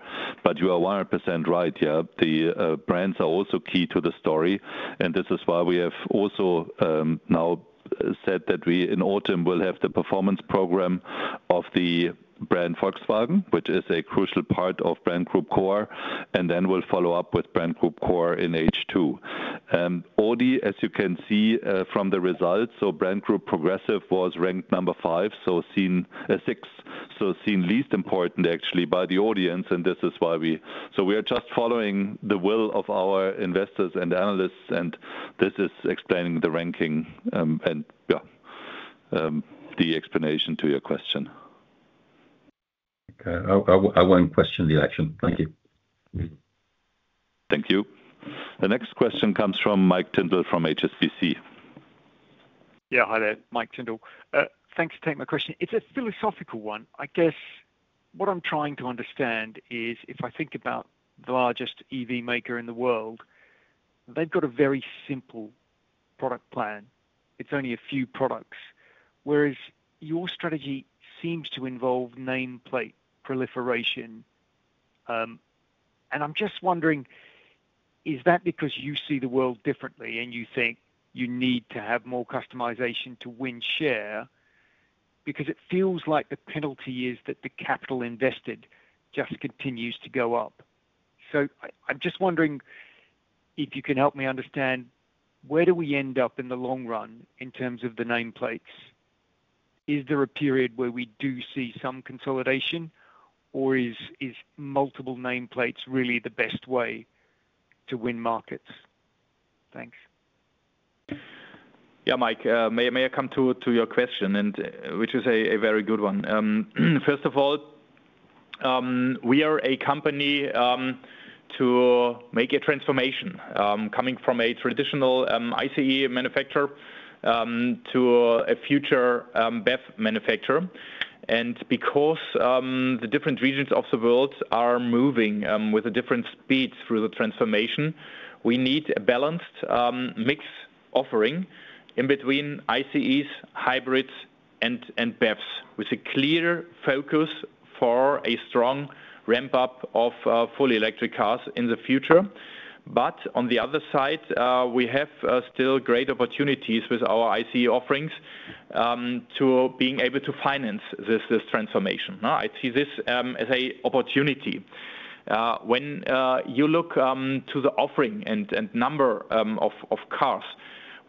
You are 100% right, yeah. The brands are also key to the story, and this is why we have also now said that we, in autumn, will have the performance program of the brand Volkswagen, which is a crucial part of Brand Group Core, and we'll follow up with Brand Group Core in H2. Audi, as you can see, from the results, Brand Group Progressive was ranked 5, so seen 6, so seen least important, actually, by the audience. This is why we are just following the will of our investors and analysts. This is explaining the ranking. The explanation to your question. Okay, I won't question the action. Thank you. Thank you. The next question comes from Mike Tyndall from HSBC. Yeah, hi there, Mike Tyndall. Thanks for taking my question. It's a philosophical one. I guess what I'm trying to understand is, if I think about the largest EV maker in the world, they've got a very simple product plan. It's only a few products, whereas your strategy seems to involve nameplate proliferation. I'm just wondering, is that because you see the world differently, and you think you need to have more customization to win share? Because it feels like the penalty is that the capital invested just continues to go up. I'm just wondering if you can help me understand, where do we end up in the long run in terms of the nameplates? Is there a period where we do see some consolidation, or is multiple nameplates really the best way to win markets? Thanks. Yeah, Mike, may I come to your question, which is a very good one. First of all, we are a company to make a transformation, coming from a traditional ICE manufacturer, to a future BEV manufacturer. Because the different regions of the world are moving with a different speed through the transformation, we need a balanced mixed offering in between ICE, hybrids, and BEVs, with a clear focus for a strong ramp-up of fully electric cars in the future. On the other side, we have still great opportunities with our ICE offerings, to being able to finance this transformation. Now, I see this as a opportunity. When you look to the offering and number of cars,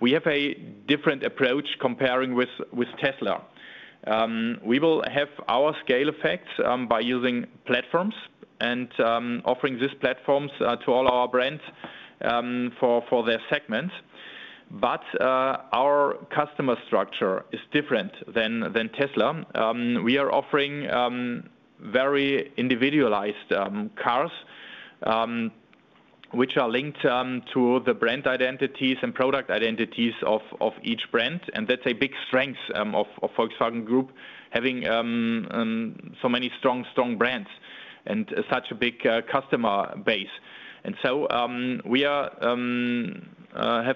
we have a different approach comparing with Tesla. We will have our scale effects by using platforms and offering these platforms to all our brands for their segments. Our customer structure is different than Tesla. We are offering very individualized cars which are linked to the brand identities and product identities of each brand, and that's a big strength of Volkswagen Group, having so many strong brands and such a big customer base. We have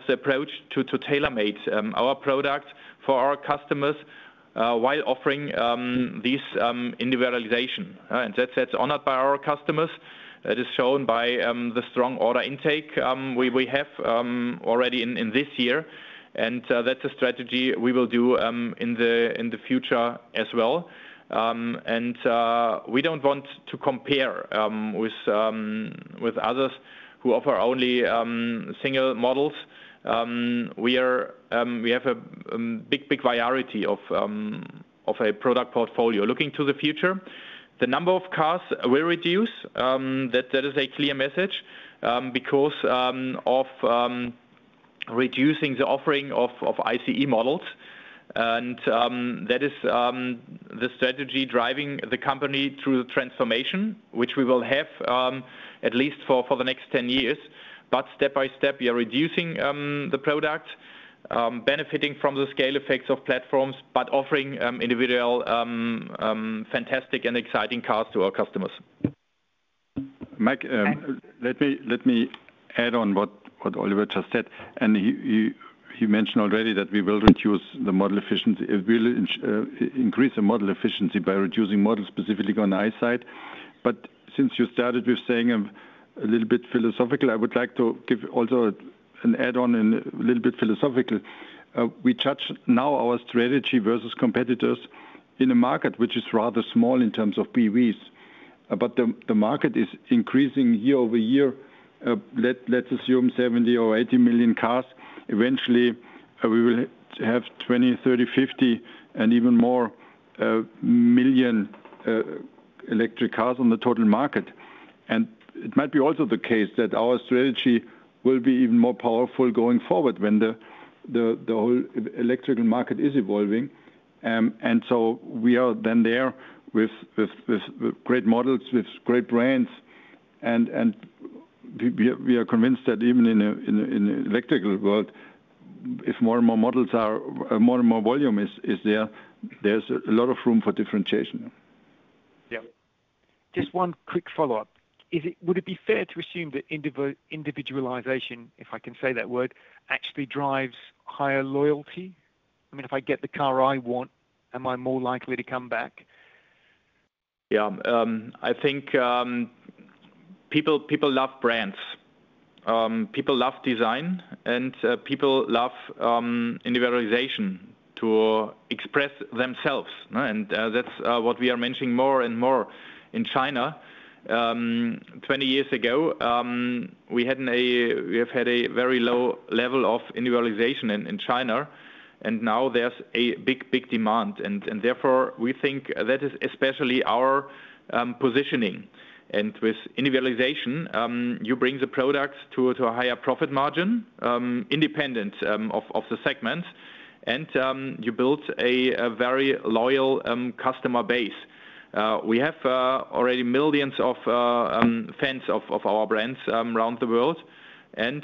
the approach to tailor-made our product for our customers while offering these individualization. That's honored by our customers. That is shown by the strong order intake we have already in this year. That's a strategy we will do in the future as well. We don't want to compare with others who offer only single models. We have a big variety of a product portfolio. Looking to the future, the number of cars will reduce, that is a clear message, because of reducing the offering of ICE models. That is the strategy driving the company through the transformation, which we will have at least for the next 10 years. Step by step, we are reducing the product, benefiting from the scale effects of platforms, but offering individual fantastic and exciting cars to our customers. Mike, let me add on what Oliver just said. He mentioned already that we will reduce the model efficiency. It will increase the model efficiency by reducing models, specifically on the ICE side. Since you started with saying a little bit philosophical, I would like to give also an add-on and a little bit philosophical. We touch now our strategy versus competitors in a market which is rather small in terms of PVs, but the market is increasing year-over-year. Let's assume 70 or 80 million cars. Eventually, we will have 20, 30, 50, and even more million electric cars on the total market. It might be also the case that our strategy will be even more powerful going forward when the whole electrical market is evolving. We are then there with great models, with great brands, and we are convinced that even in an electrical world, if more and more models are, more and more volume is there's a lot of room for differentiation. Yeah. Just one quick follow-up. Would it be fair to assume that individualization, if I can say that word, actually drives higher loyalty? I mean, if I get the car I want, am I more likely to come back? Yeah, I think people love brands, people love design, and people love individualization to express themselves, and that's what we are mentioning more and more in China. 20 years ago, we have had a very low level of individualization in China, and now there's a big demand. Therefore, we think that is especially our positioning. With individualization, you bring the product to a higher profit margin, independent of the segment, and you build a very loyal customer base. We have already millions of fans of our brands around the world, and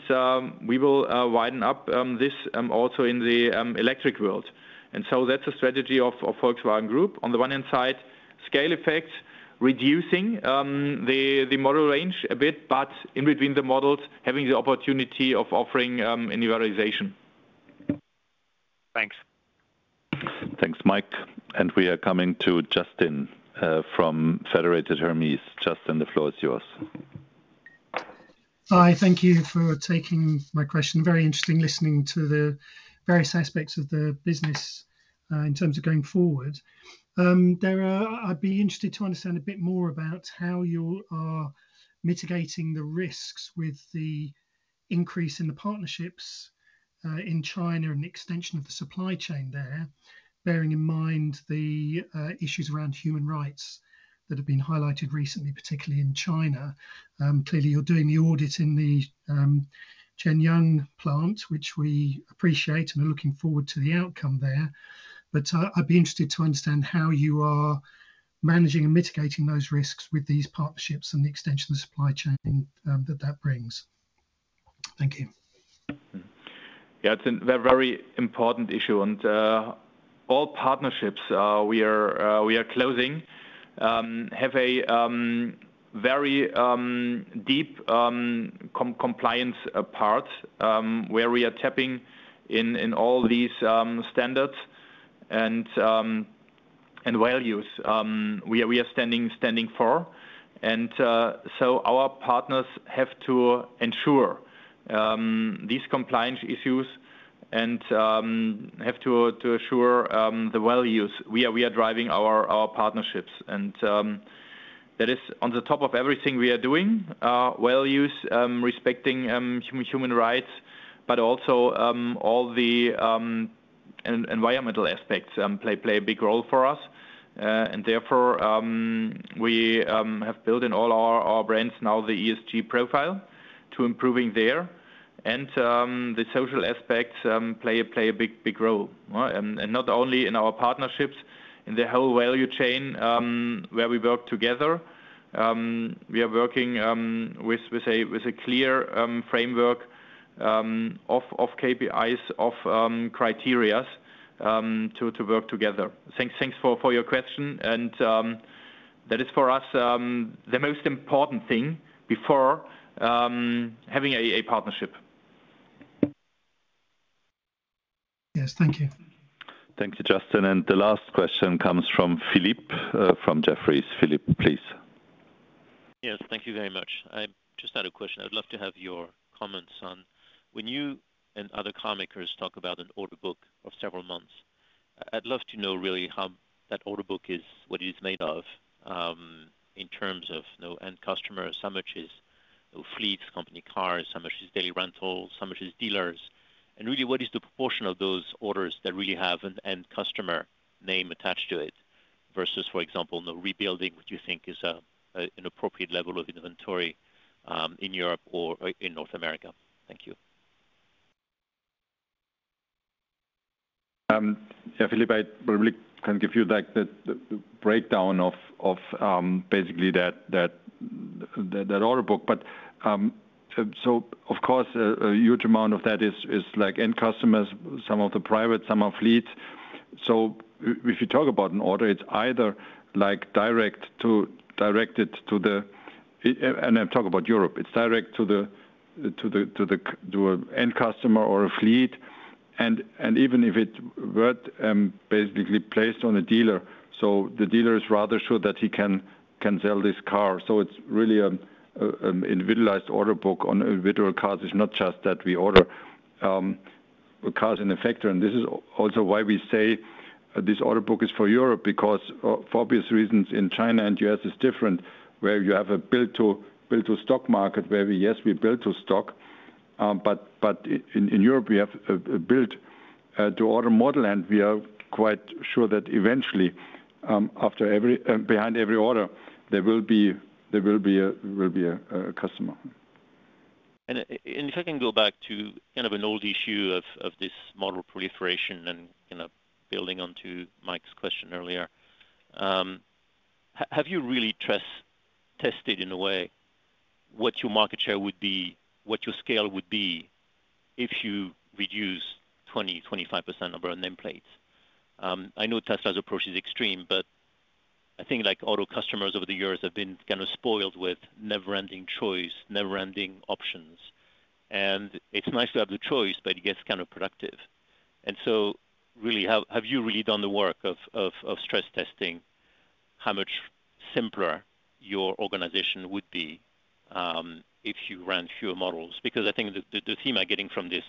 we will widen up this also in the electric world. That's a strategy of Volkswagen Group. On the one hand side, scale effects, reducing, the model range a bit, but in between the models, having the opportunity of offering, individualization. Thanks. Thanks, Mike. We are coming to Justin from Federated Hermes. Justin, the floor is yours. Hi, thank you for taking my question. Very interesting listening to the various aspects of the business in terms of going forward. I'd be interested to understand a bit more about how you are mitigating the risks with the increase in the partnerships in China and the extension of the supply chain there, bearing in mind the issues around human rights that have been highlighted recently, particularly in China. Clearly, you're doing the audit in the Xinjiang plant, which we appreciate, and we're looking forward to the outcome there. I'd be interested to understand how you are managing and mitigating those risks with these partnerships and the extension of the supply chain that that brings. Thank you. Yeah, it's a very important issue. All partnerships we are closing have a very deep compliance part where we are tapping in all these standards and values. We are standing for. Our partners have to ensure these compliance issues and have to assure the values. We are driving our partnerships. That is on the top of everything we are doing, values, respecting human rights, but also all the environmental aspects play a big role for us. Therefore, we have built in all our brands now the ESG profile to improving there. The social aspects play a big role. Not only in our partnerships, in the whole value chain, where we work together. We are working with a clear framework of KPIs, of criteria, to work together. Thanks for your question, that is for us the most important thing before having a partnership. Yes. Thank you. Thank you, Justin. The last question comes from Philippe, from Jefferies. Philippe, please. Thank you very much. I just had a question I'd love to have your comments on. When you and other carmakers talk about an order book of several months, I'd love to know really how that order book is, what it is made of, in terms of, you know, end customer, how much is fleets, company cars, how much is daily rentals, how much is dealers? What is the proportion of those orders that really have an end customer name attached to it, versus, for example, the rebuilding, what you think is an appropriate level of inventory, in Europe or in North America? Thank you. Yeah, Philippe, I probably can give you, like, the breakdown of that order book. Of course, a huge amount of that is like end customers, some of the private, some are fleet. If you talk about an order, it's either like directed to the. I'm talking about Europe, it's direct to the to an end customer or a fleet. And even if it were basically placed on a dealer, the dealer is rather sure that he can sell this car. It's really an individualized order book on individual cars. It's not just that we order cars in the factor. This is also why we say this order book is for Europe, because for obvious reasons, in China and U.S., it's different, where you have a build-to stock market, where we, yes, we build to stock, but in Europe, we have a build-to-order model, and we are quite sure that eventually, behind every order, there will be a customer. If I can go back to kind of an old issue of this model proliferation and, you know, building on to Mike's question earlier. Have you really tested in a way, what your market share would be, what your scale would be if you reduce 20%-25% number of nameplates? I know Tesla's approach is extreme, but I think like auto customers over the years have been kind of spoiled with never-ending choice, never-ending options, and it's nice to have the choice, but it gets counterproductive. Really, have you really done the work of stress testing, how much simpler your organization would be if you ran fewer models? I think the theme I'm getting from this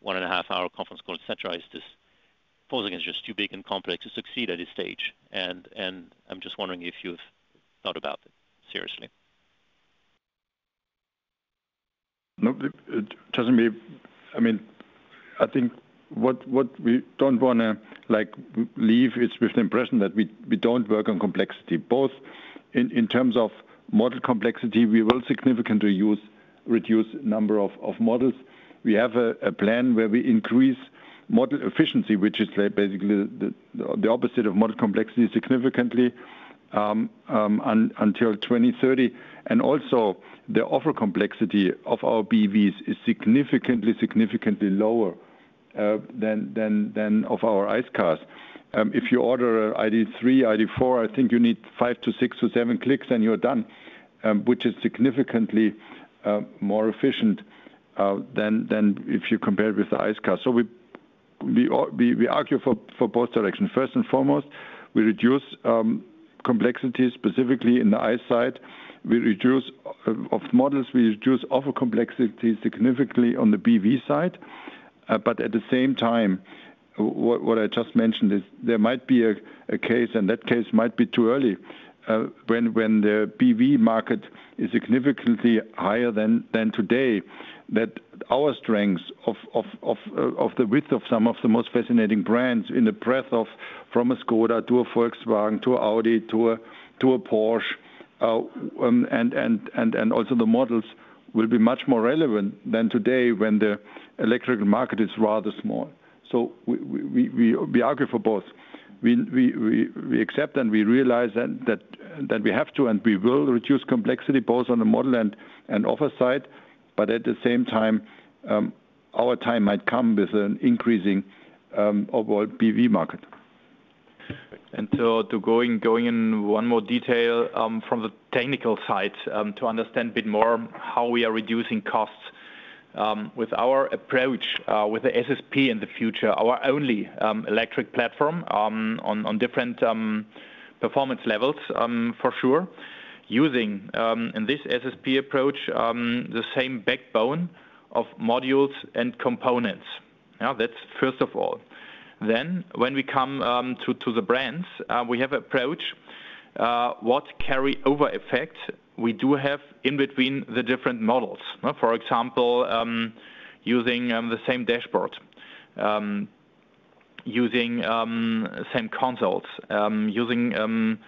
one and a half hour conference call, et cetera, is. pausing is just too big and complex to succeed at this stage. I'm just wondering if you've thought about it seriously? Nope. I mean, I think what we don't want to, like, leave is with the impression that we don't work on complexity, both in terms of model complexity. We will significantly reduce number of models. We have a plan where we increase model efficiency, which is, like, basically the opposite of model complexity, significantly until 2030. The offer complexity of our BEVs is significantly lower than of our ICE cars. If you order ID.3, ID.4, I think you need five to six to seven clicks, and you're done, which is significantly more efficient than if you compare it with the ICE car. We argue for both directions. First and foremost, we reduce complexity, specifically in the ICE side. We reduce of models, we reduce offer complexity significantly on the BEV side. At the same time, what I just mentioned is there might be a case, and that case might be too early, when the BEV market is significantly higher than today, that our strengths of the width of some of the most fascinating brands in the breadth of, from a Škoda to a Volkswagen to an Audi to a Porsche, and also the models will be much more relevant than today when the electrical market is rather small. We argue for both. We accept and we realize that we have to, and we will reduce complexity both on the model and offer side, but at the same time, our time might come with an increasing overall BEV market. To going in one more detail, from the technical side, to understand a bit more how we are reducing costs with our approach with the SSP in the future, our only electric platform on different performance levels for sure. Using in this SSP approach, the same backbone of modules and components. That's first of all. When we come to the brands, we have approach what carryover effect we do have in between the different models. For example, using the same dashboard, using same consoles, using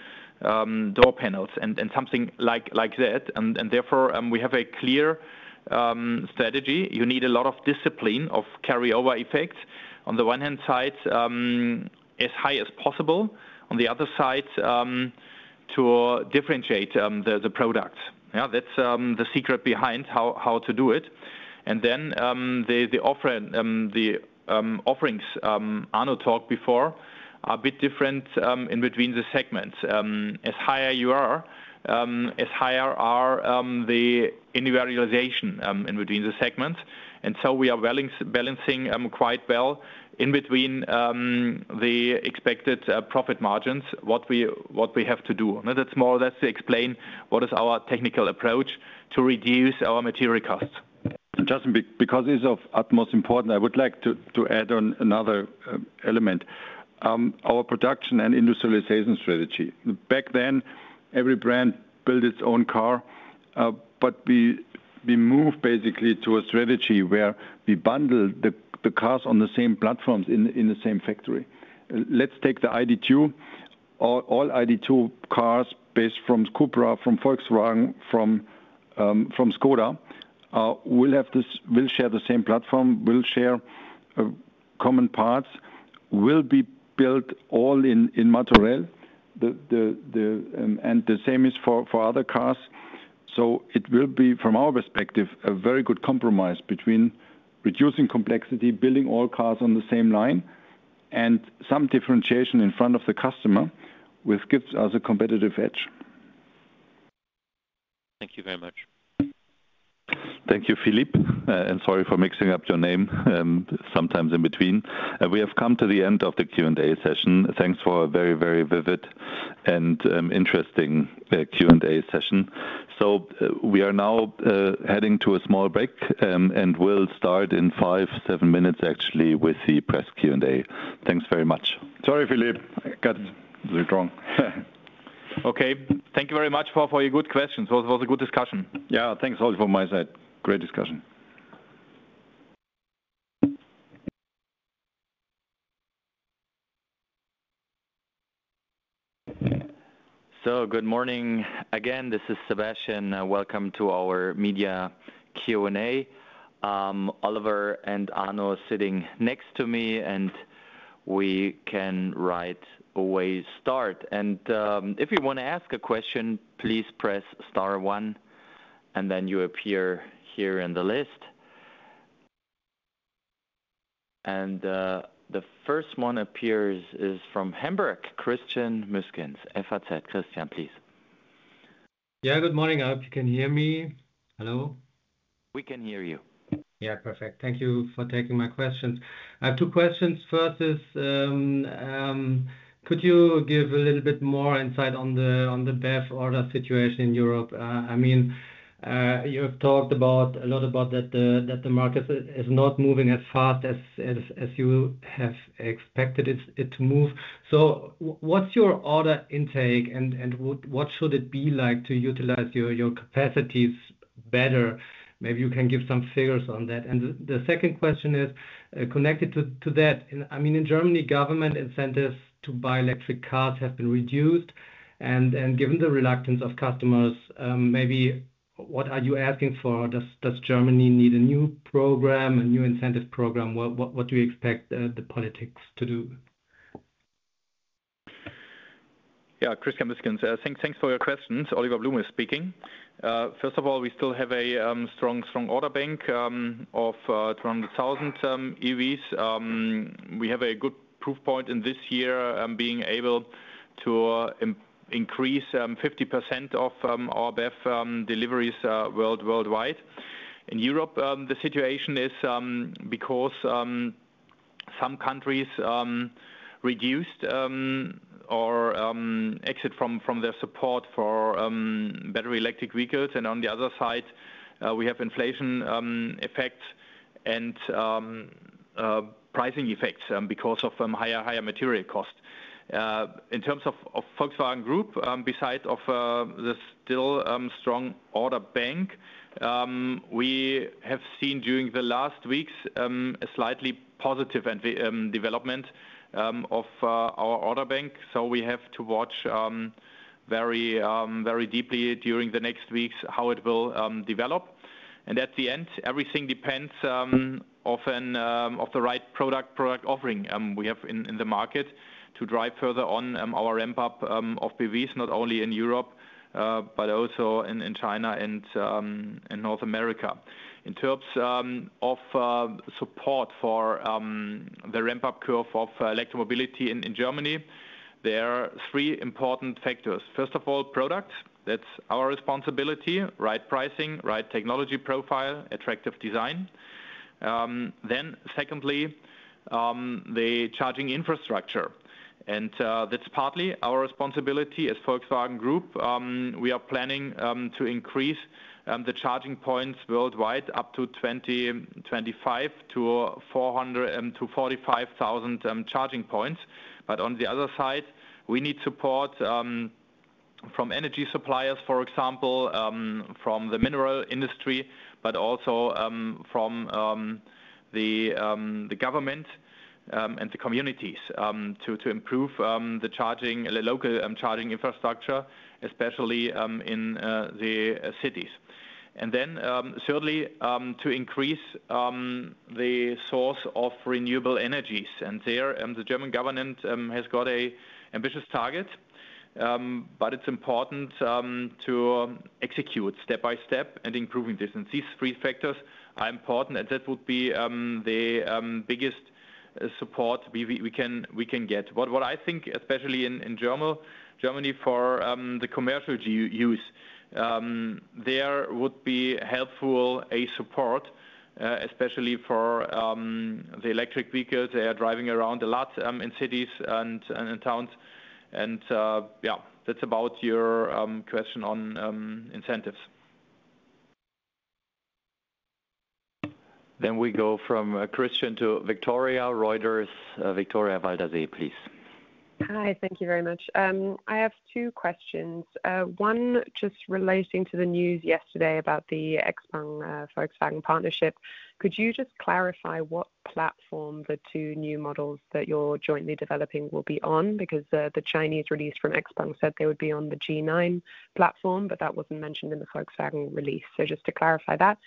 door panels and something like that. Therefore, we have a clear strategy. You need a lot of discipline of carryover effect. On the one hand side, as high as possible, on the other side, to differentiate the product. Yeah, that's the secret behind how to do it. Then, the offer, the offerings, Arno talked before, are a bit different in between the segments. As higher you are, as higher are the individualization in between the segments. So we are balancing quite well in between the expected profit margins, what we have to do. That's more or less to explain what is our technical approach to reduce our material costs. Justin, because it's of utmost important, I would like to add on another element, our production and industrialization strategy. Back then, every brand built its own car, but we moved basically to a strategy where we bundle the cars on the same platforms in the same factory. Let's take the ID.2. All ID.2 cars, based from CUPRA, from Volkswagen, from Škoda, will share the same platform, will share common parts, will be built all in Martorell. And the same is for other cars. It will be, from our perspective, a very good compromise between reducing complexity, building all cars on the same line, and some differentiation in front of the customer, which gives us a competitive edge. Thank you very much. Thank you, Philippe, and sorry for mixing up your name sometimes in between. We have come to the end of the Q&A session. Thanks for a very vivid and interesting Q&A session. We are now heading to a small break, and we'll start in five, seven minutes, actually, with the press Q&A. Thanks very much. Sorry, Philippe, I got it wrong. Okay. Thank you very much for your good questions. It was a good discussion. Yeah. Thanks also from my side. Great discussion. Good morning again. This is Sebastian. Welcome to our media Q&A. Oliver and Arno are sitting next to me, and we can right away start. If you want to ask a question, please press star one, and then you appear here in the list. The first one appears is from Hamburg, Christian Müßgens, FAZ. Christian, please. Yeah, good morning. I hope you can hear me. Hello? We can hear you. Perfect. Thank you for taking my questions. I have two questions. First is, could you give a little bit more insight on the BEV order situation in Europe? I mean, you have talked a lot about that the market is not moving as fast as you have expected it to move. What's your order intake, and what should it be like to utilize your capacities better? Maybe you can give some figures on that. The second question is connected to that. I mean, in Germany, government incentives to buy electric cars have been reduced, and given the reluctance of customers, maybe what are you asking for? Does Germany need a new program, a new incentive program? What do you expect the politics to do? Christian Müßgens, thanks for your questions. Oliver Blume is speaking. First of all, we still have a strong order bank of around 1,000 EVs. We have a good proof point in this year, being able to increase 50% of our BEV deliveries worldwide. In Europe, the situation is because some countries reduced or exit from their support for battery electric vehicles. On the other side, we have inflation effects and pricing effects because of higher material costs. In terms of Volkswagen Group, beside of the still strong order bank, we have seen during the last weeks a slightly positive development of our order bank. We have to watch, very, very deeply during the next weeks, how it will develop. At the end, everything depends of the right product offering we have in the market to drive further on our ramp up of PVs, not only in Europe, but also in China and in North America. In terms of support for the ramp-up curve of electromobility in Germany, there are three important factors. First of all, product. That's our responsibility, right pricing, right technology profile, attractive design. Then secondly, the charging infrastructure, and that's partly our responsibility as Volkswagen Group. We are planning to increase the charging points worldwide up to 2025 to 400, to 45,000 charging points. On the other side, we need support, from energy suppliers, for example, from the mineral industry, but also, from the Government, and the communities, to improve the charging, the local charging infrastructure, especially in the cities. Then, thirdly, to increase the source of renewable energies, and there, the German Government, has got a ambitious target, but it's important, to execute step by step and improving this. These three factors are important, and that would be the biggest support we can get. What I think, especially in Germany, for the commercial use, there would be helpful a support, especially for the electric vehicles. They are driving around a lot in cities and in towns. Yeah, that's about your question on incentives. We go from, Christian to Victoria. Reuters, Victoria Waldersee, please. Hi, thank you very much. I have two questions. One just relating to the news yesterday about the XPeng, Volkswagen partnership. Could you just clarify what platform the two new models that you're jointly developing will be on? Because the Chinese release from XPeng said they would be on the G9 platform, but that wasn't mentioned in the Volkswagen release. Just to clarify that.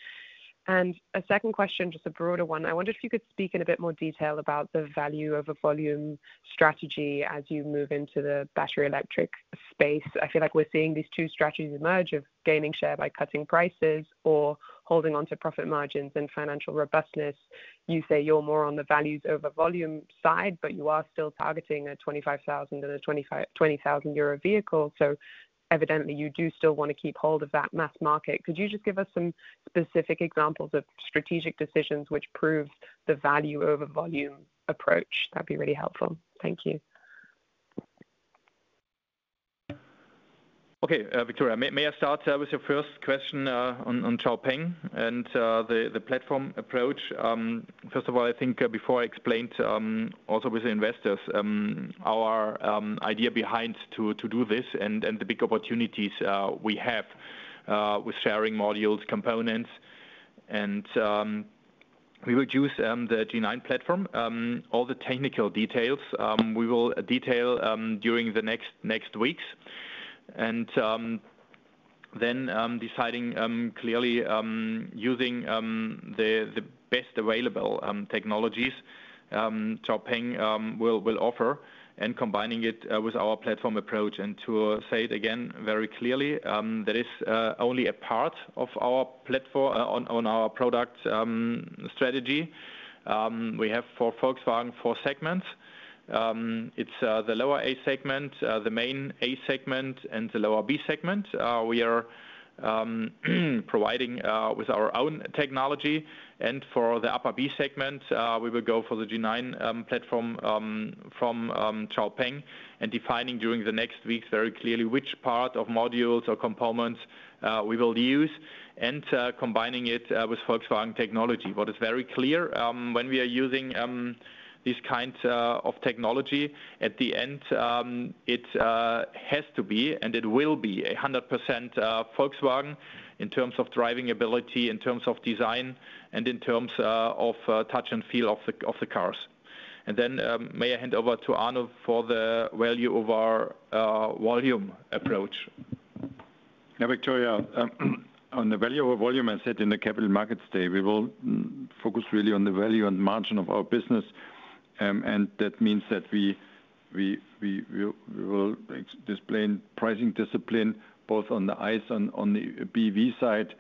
A second question, just a broader one. I wondered if you could speak in a bit more detail about the value of a volume strategy as you move into the battery electric space. I feel like we're seeing these two strategies emerge of gaining share by cutting prices or holding onto profit margins and financial robustness. You say you're more on the values over volume side, you are still targeting a 25,000 and a 20,000 euro vehicle. Evidently, you do still want to keep hold of that mass market. Could you just give us some specific examples of strategic decisions which prove the value over volume approach? That'd be really helpful. Thank you. Okay, Victoria, may I start with your first question on XPeng and the platform approach? First of all, I think before I explained also with the investors our idea behind to do this and the big opportunities we have with sharing modules, components, and we would use the G9 platform. All the technical details we will detail during the next weeks. Then deciding clearly using the best available technologies XPeng will offer and combining it with our platform approach. To say it again very clearly, that is only a part of our product strategy. We have for Volkswagen, four segments. It's the lower A segment, the main A segment, and the lower B segment. We are providing with our own technology, and for the upper B segment, we will go for the G9 platform from XPeng, and defining during the next weeks very clearly which part of modules or components we will use, and combining it with Volkswagen technology. What is very clear, when we are using these kinds of technology, at the end, it has to be and it will be 100% Volkswagen in terms of driving ability, in terms of design, and in terms of touch and feel of the cars. May I hand over to Arno for the value of our volume approach? Yeah, Victoria, on the value of our volume, I said in the capital markets day, we will focus really on the value and margin of our business. That means that we will display pricing discipline both on the ICE and on the BEV side.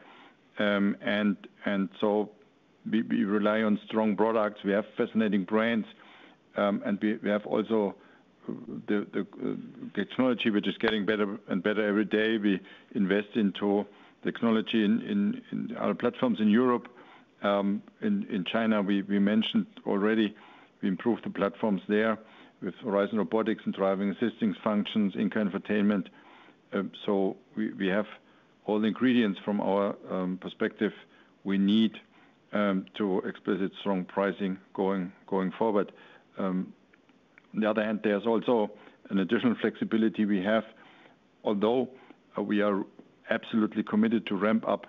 We rely on strong products. We have fascinating brands, and we have also the technology, which is getting better and better every day. We invest into technology in our platforms in Europe. In China, we mentioned already, we improved the platforms there with Horizon Robotics and driving assisting functions, in-car entertainment. We have all the ingredients from our perspective we need to explicit strong pricing going forward. On the other hand, there's also an additional flexibility we have. We are absolutely committed to ramp up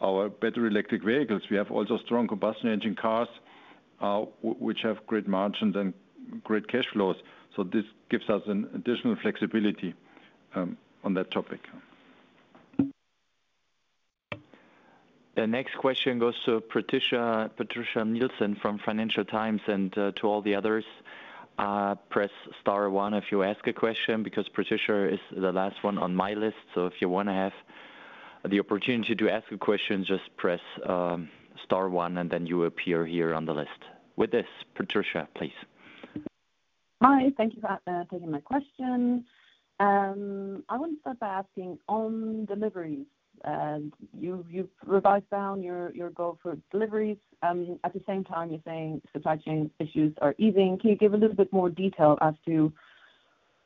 our battery electric vehicles, we have also strong combustion engine cars, which have great margins and great cash flows. This gives us an additional flexibility on that topic. The next question goes to Patricia Nilsson from Financial Times. To all the others, press star one if you ask a question, because Patricia is the last one on my list. If you want to have the opportunity to ask a question, just press star one, and then you appear here on the list. With this, Patricia, please. Hi, thank you for taking my question. I want to start by asking, on deliveries, you've revised down your goal for deliveries. At the same time, you're saying supply chain issues are easing. Can you give a little bit more detail as to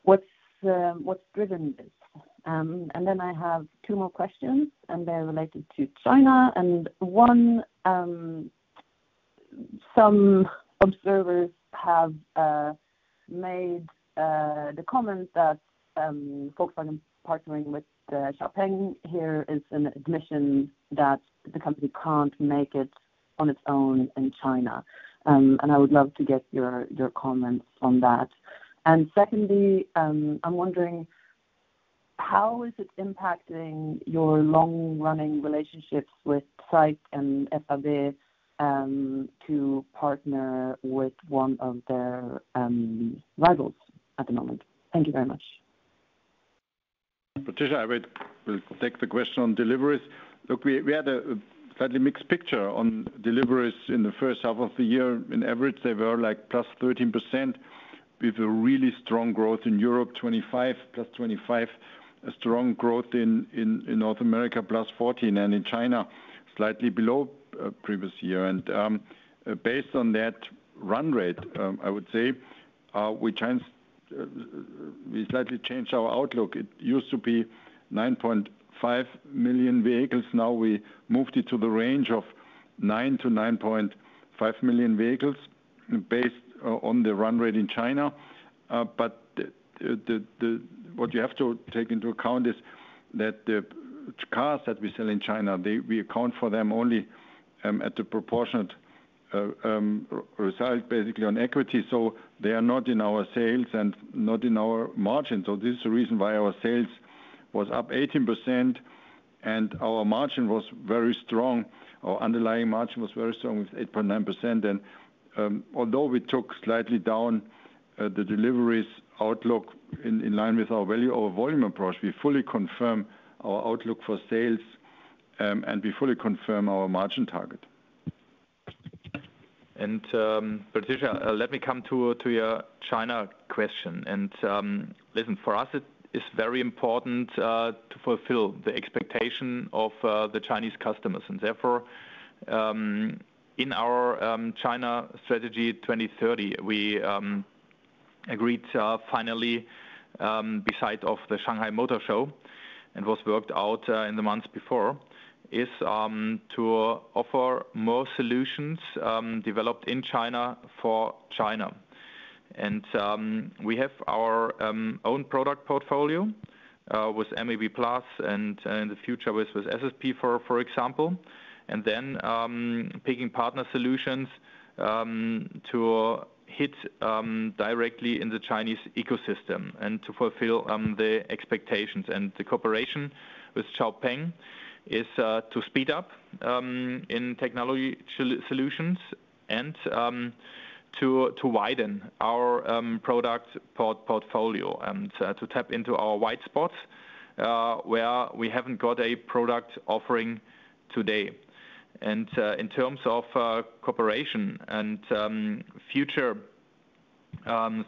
what's driven this? Then I have two more questions, and they're related to China, and one, some observers have made the comment that Volkswagen partnering with XPeng here is an admission that the company can't make it on its own in China. I would love to get your comments on that. Secondly, I'm wondering, how is it impacting your long-running relationships with SAIC and FAW to partner with one of their rivals at the moment? Thank you very much. Patricia, I will take the question on deliveries. Look, we had a slightly mixed picture on deliveries in the first half of the year. In average, they were like +13%, with a really strong growth in Europe, 25%, +25%. A strong growth in North America, +14%, and in China, slightly below previous year. Based on that run rate, I would say, we slightly changed our outlook. It used to be 9.5 million vehicles. Now, we moved it to the range of 9 million-9.5 million vehicles based on the run rate in China. What you have to take into account is that the cars that we sell in China, they, we account for them only at the proportionate result, basically on equity. They are not in our sales and not in our margins. This is the reason why our sales was up 18%, and our margin was very strong, our underlying margin was very strong, with 8.9%. Although we took slightly down the deliveries outlook in line with our value, our volume approach, we fully confirm our outlook for sales, and we fully confirm our margin target. Patricia, let me come to your China question. Listen, for us, it is very important to fulfill the expectation of the Chinese customers. Therefore, in our China strategy 2030, we agreed finally beside of the Shanghai Motor Show and was worked out in the months before, is to offer more solutions developed in China for China. We have our own product portfolio with MEB Plus, and in the future with SSP, for example. Then picking partner solutions to hit directly in the Chinese ecosystem and to fulfill the expectations. The cooperation with XPeng is to speed up in technology solutions and to widen our product portfolio and to tap into our white spots where we haven't got a product offering today. In terms of cooperation and future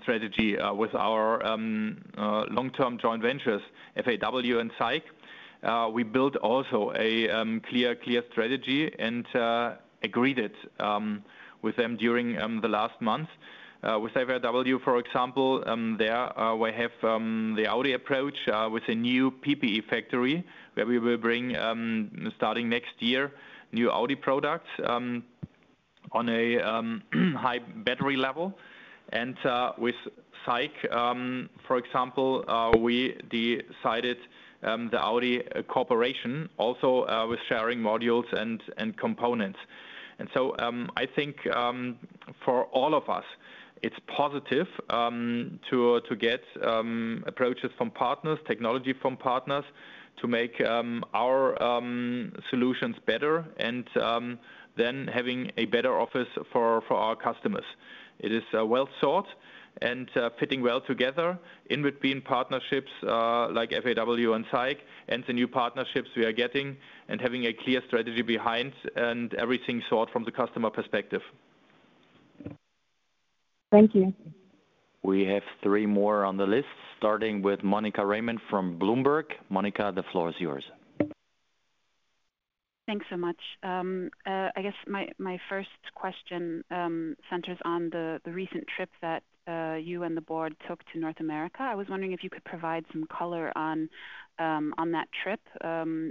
strategy with our long-term joint ventures, FAW and SAIC, we built also a clear strategy and agreed it with them during the last month. With FAW, for example, there we have the Audi approach with a new PPE factory, where we will bring starting next year, new Audi products on a high battery level. With SAIC, for example, we decided the Audi cooperation also with sharing modules and components. I think, for all of us, it's positive to get approaches from partners, technology from partners, to make our solutions better, and then having a better office for our customers. It is well thought and fitting well together in between partnerships like FAW and SAIC, and the new partnerships we are getting, and having a clear strategy behind, and everything thought from the customer perspective. Thank you. We have three more on the list, starting with Monica Raymunt from Bloomberg. Monica, the floor is yours. Thanks so much. I guess my first question centers on the recent trip that you and the board took to North America. I was wondering if you could provide some color on that trip,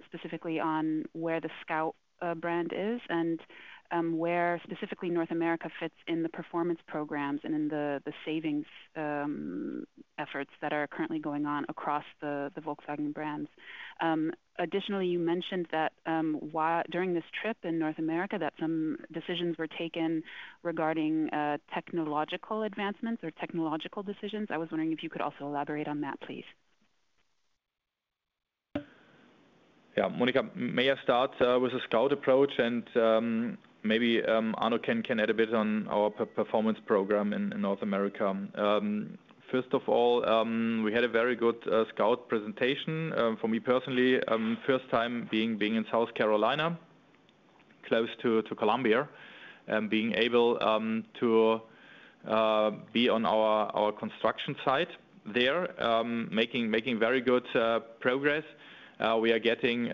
specifically on where the Scout brand is, and where specifically North America fits in the performance programs and in the savings efforts that are currently going on across the Volkswagen brands. Additionally, you mentioned that during this trip in North America, that some decisions were taken regarding technological advancements or technological decisions. I was wondering if you could also elaborate on that, please. Monica, may I start with the Scout approach. Maybe Arno can add a bit on our performance program in North America. First of all, we had a very good Scout presentation. For me personally, first time being in South Carolina, close to Columbia, being able to be on our construction site there, making very good progress. We are getting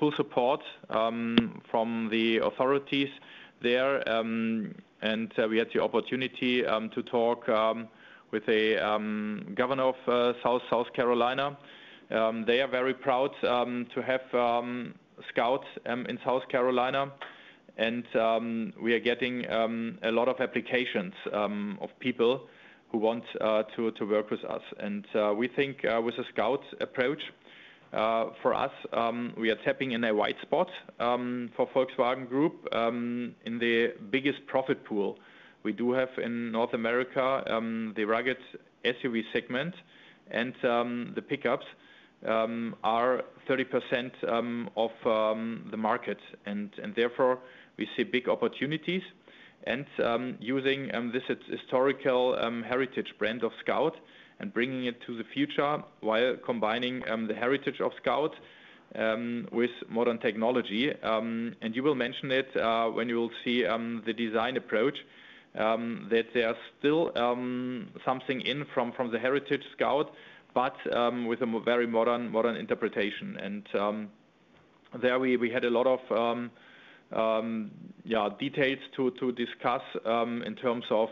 full support from the authorities there. We had the opportunity to talk with a governor of South Carolina. They are very proud to have Scout in South Carolina. We are getting a lot of applications of people who want to work with us. We think with the Scout approach for us, we are tapping in a wide spot for Volkswagen Group in the biggest profit pool. We do have in North America the rugged SUV segment, and the pickups are 30% of the market. Therefore, we see big opportunities. Using this historical heritage brand of Scout and bringing it to the future, while combining the heritage of Scout with modern technology. You will mention it when you will see the design approach, that there are still something in from the heritage Scout, but with a very modern interpretation. There we had a lot of, yeah, details to discuss in terms of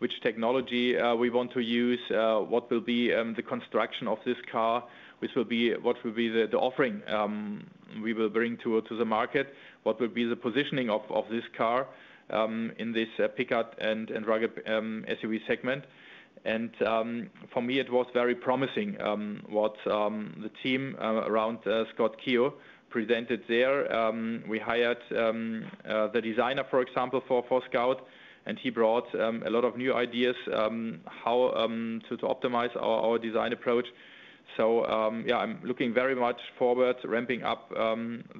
which technology we want to use, what will be the construction of this car, what will be the offering we will bring to the market, what will be the positioning of this car in this pickup and rugged SUV segment. For me, it was very promising what the team around Scott Keogh presented there. We hired the designer, for example, for Scout, and he brought a lot of new ideas how to optimize our design approach. Yeah, I'm looking very much forward to ramping up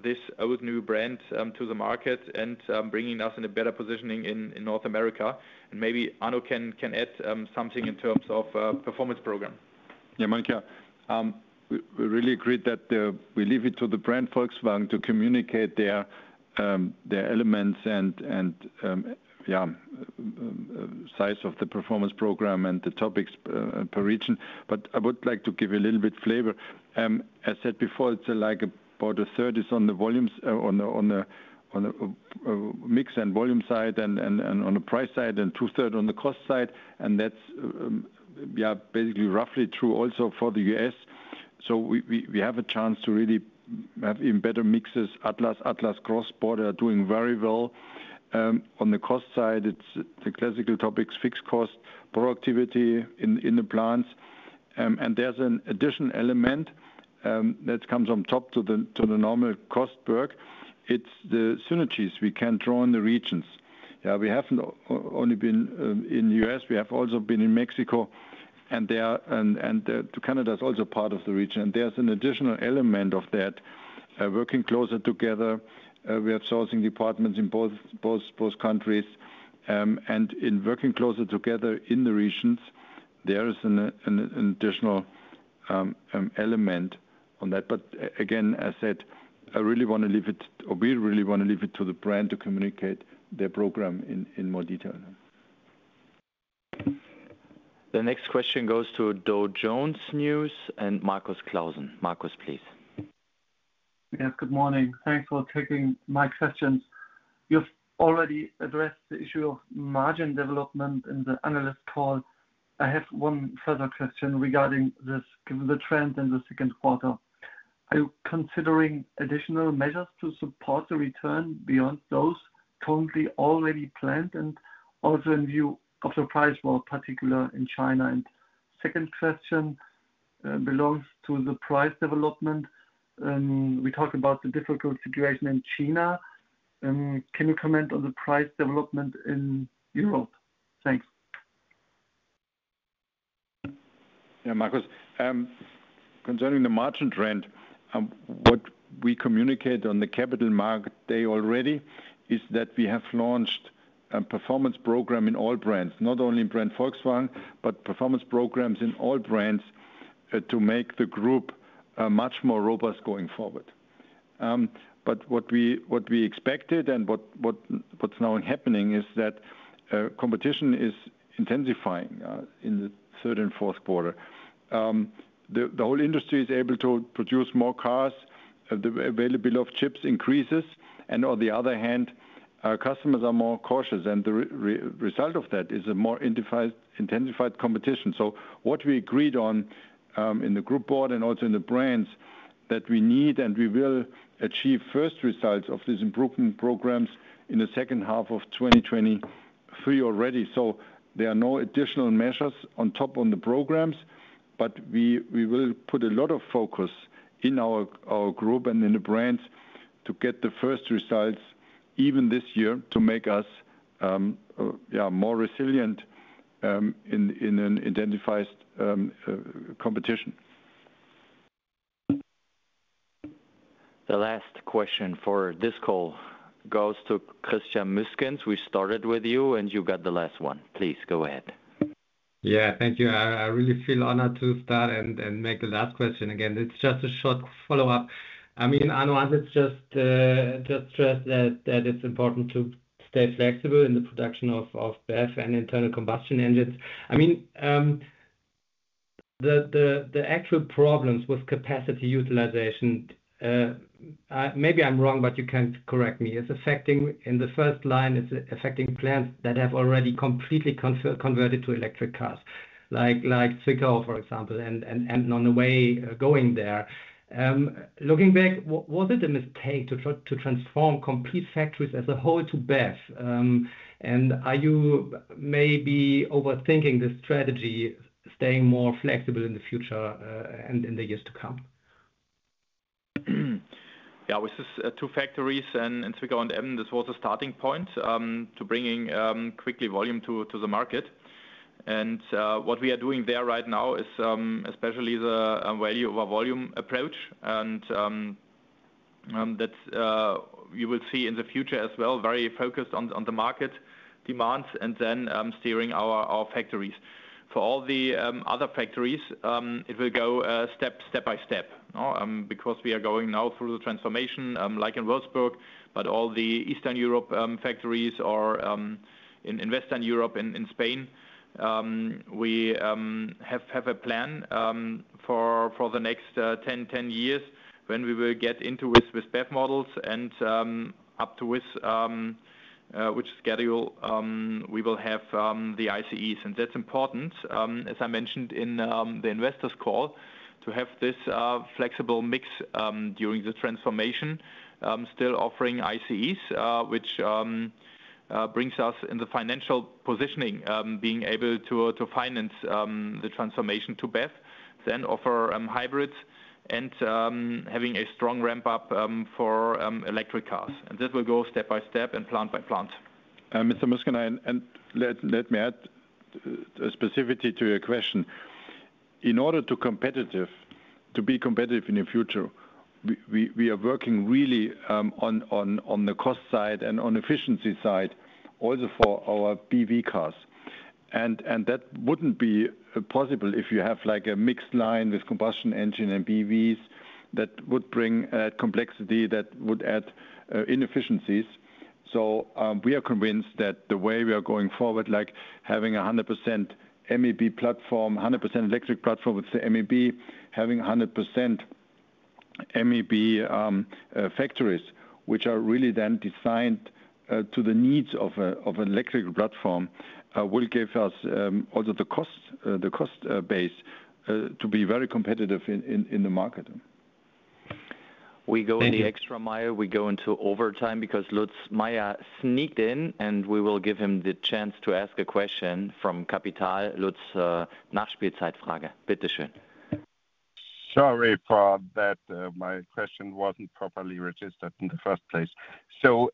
this old new brand to the market and bringing us in a better positioning in North America. And maybe Arno can add something in terms of performance program. Yeah, Monica, we really agreed that we leave it to the brand Volkswagen to communicate their elements and, yeah, size of the performance program and the topics per region. But I would like to give a little bit flavor. I said before, it's like about a third is on the volumes, on the mix and volume side and on the price side, and two-third on the cost side, and that's, yeah, basically roughly true also for the U.S. We have a chance to really have even better mixes. Atlas Cross Sport are doing very well. On the cost side, it's the classical topics, fixed cost, productivity in the plants. There's an additional element that comes on top to the normal cost work. It's the synergies we can draw in the regions. We have not only been in U.S., we have also been in Mexico, and there to Canada is also part of the region. There's an additional element of that working closer together. We have sourcing departments in both countries. In working closer together in the regions, there is an additional element on that. Again, as I said, I really wanna leave it or we really wanna leave it to the brand to communicate their program in more detail. The next question goes to Dow Jones Newswires and Marcus Klausen. Marcus, please. Yes, good morning. Thanks for taking my questions. You've already addressed the issue of margin development in the analyst call. I have one further question regarding this, the trend in the second quarter. Are you considering additional measures to support the return beyond those currently already planned, and also in view of the price war, particularly in China? Second question belongs to the price development. We talked about the difficult situation in China. Can you comment on the price development in Europe? Thanks. Marcus, concerning the margin trend, what we communicate on the Capital Market Day already is that we have launched a performance program in all brands. Not only in brand Volkswagen, performance programs in all brands to make the group much more robust going forward. What we expected and what's now happening is that competition is intensifying in the third and fourth quarter. The whole industry is able to produce more cars, the availability of chips increases, and on the other hand, our customers are more cautious, and the result of that is a more intensified competition. What we agreed on in the group board and also in the brands, that we need and we will achieve first results of these improvement programs in the second half of 2023 already. There are no additional measures on top on the programs, but we will put a lot of focus in our group and in the brands to get the first results even this year, to make us more resilient, in an intensified competition. The last question for this call goes to Christian Müßgens. We started with you, and you got the last one. Please, go ahead. Yeah, thank you. I really feel honored to start and make the last question again. It's just a short follow-up. I mean, Arno Antlitz just stressed that it's important to stay flexible in the production of BEV and internal combustion engines. I mean, the actual problems with capacity utilization, maybe I'm wrong, but you can correct me, is affecting, in the first line, it's affecting plants that have already completely converted to electric cars, like Zwickau, for example, and on the way going there. Looking back, was it a mistake to try to transform complete factories as a whole to BEV? And are you maybe overthinking the strategy, staying more flexible in the future, and in the years to come? Yeah, with this, two factories and Zwickau and Emden, this was a starting point to bringing quickly volume to the market. What we are doing there right now is especially the value over volume approach, and that you will see in the future as well, very focused on the market demands and then steering our factories. For all the other factories, it will go step-by-step. Because we are going now through the transformation, like in Wolfsburg, but all the Eastern Europe factories or in Western Europe and in Spain, we have a plan for the next 10 years when we will get into with BEV models and up to with which schedule we will have the ICEs. That's important, as I mentioned in the investors call, to have this flexible mix during the transformation. Still offering ICEs, which brings us in the financial positioning, being able to finance the transformation to BEV, then offer hybrids and having a strong ramp-up for electric cars. This will go step-by-step and plant by plant. Mr. Müßgens, let me add a specificity to your question. In order to be competitive in the future, we are working really on the cost side and on efficiency side, also for our BEV cars. That wouldn't be possible if you have, like, a mixed line with combustion engine and BEVs. That would bring complexity, that would add inefficiencies. We are convinced that the way we are going forward, like having a 100% MEB platform, 100% electric platform with the MEB, having a 100% MEB factories, which are really then designed to the needs of an electrical platform, will give us also the cost base to be very competitive in the market. We go the extra mile, we go into overtime because Lutz Meschke sneaked in. We will give him the chance to ask a question from Capital. Lutz, Sorry for that, my question wasn't properly registered in the first place.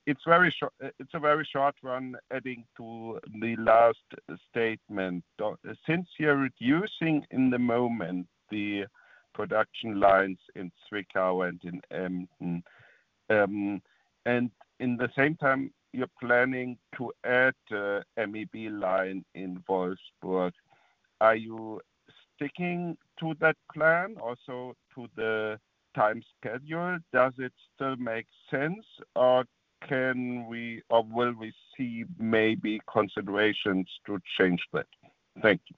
It's very short, it's a very short one adding to the last statement. Since you're reducing in the moment the production lines in Zwickau and in Emden, and in the same time, you're planning to add MEB line in Wolfsburg, are you sticking to that plan, also to the time schedule? Does it still make sense, or can we or will we see maybe considerations to change that? Thank you.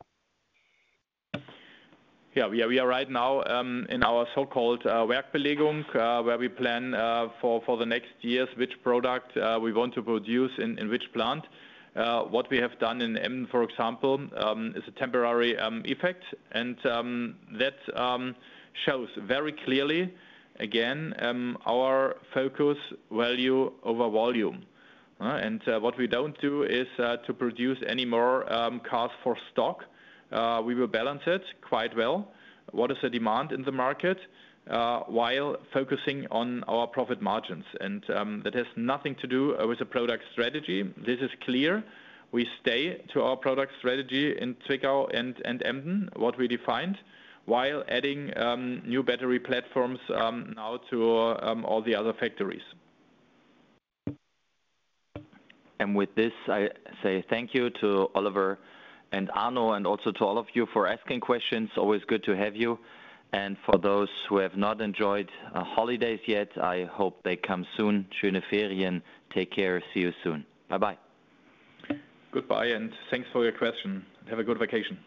Yeah, we are right now in our so-called Werkbelegung, where we plan for the next years, which product we want to produce in which plant. What we have done in Emden, for example, is a temporary effect, and that shows very clearly, again, our focus value over volume, and what we don't do is to produce any more cars for stock. We will balance it quite well. What is the demand in the market while focusing on our profit margins, and that has nothing to do with the product strategy. This is clear. We stay to our product strategy in Zwickau and Emden, what we defined, while adding new battery platforms now to all the other factories. With this, I say thank you to Oliver and Arno, and also to all of you for asking questions. Always good to have you, and for those who have not enjoyed holidays yet, I hope they come soon. Schöne Ferien. Take care. See you soon. Bye-bye. Goodbye. Thanks for your question. Have a good vacation.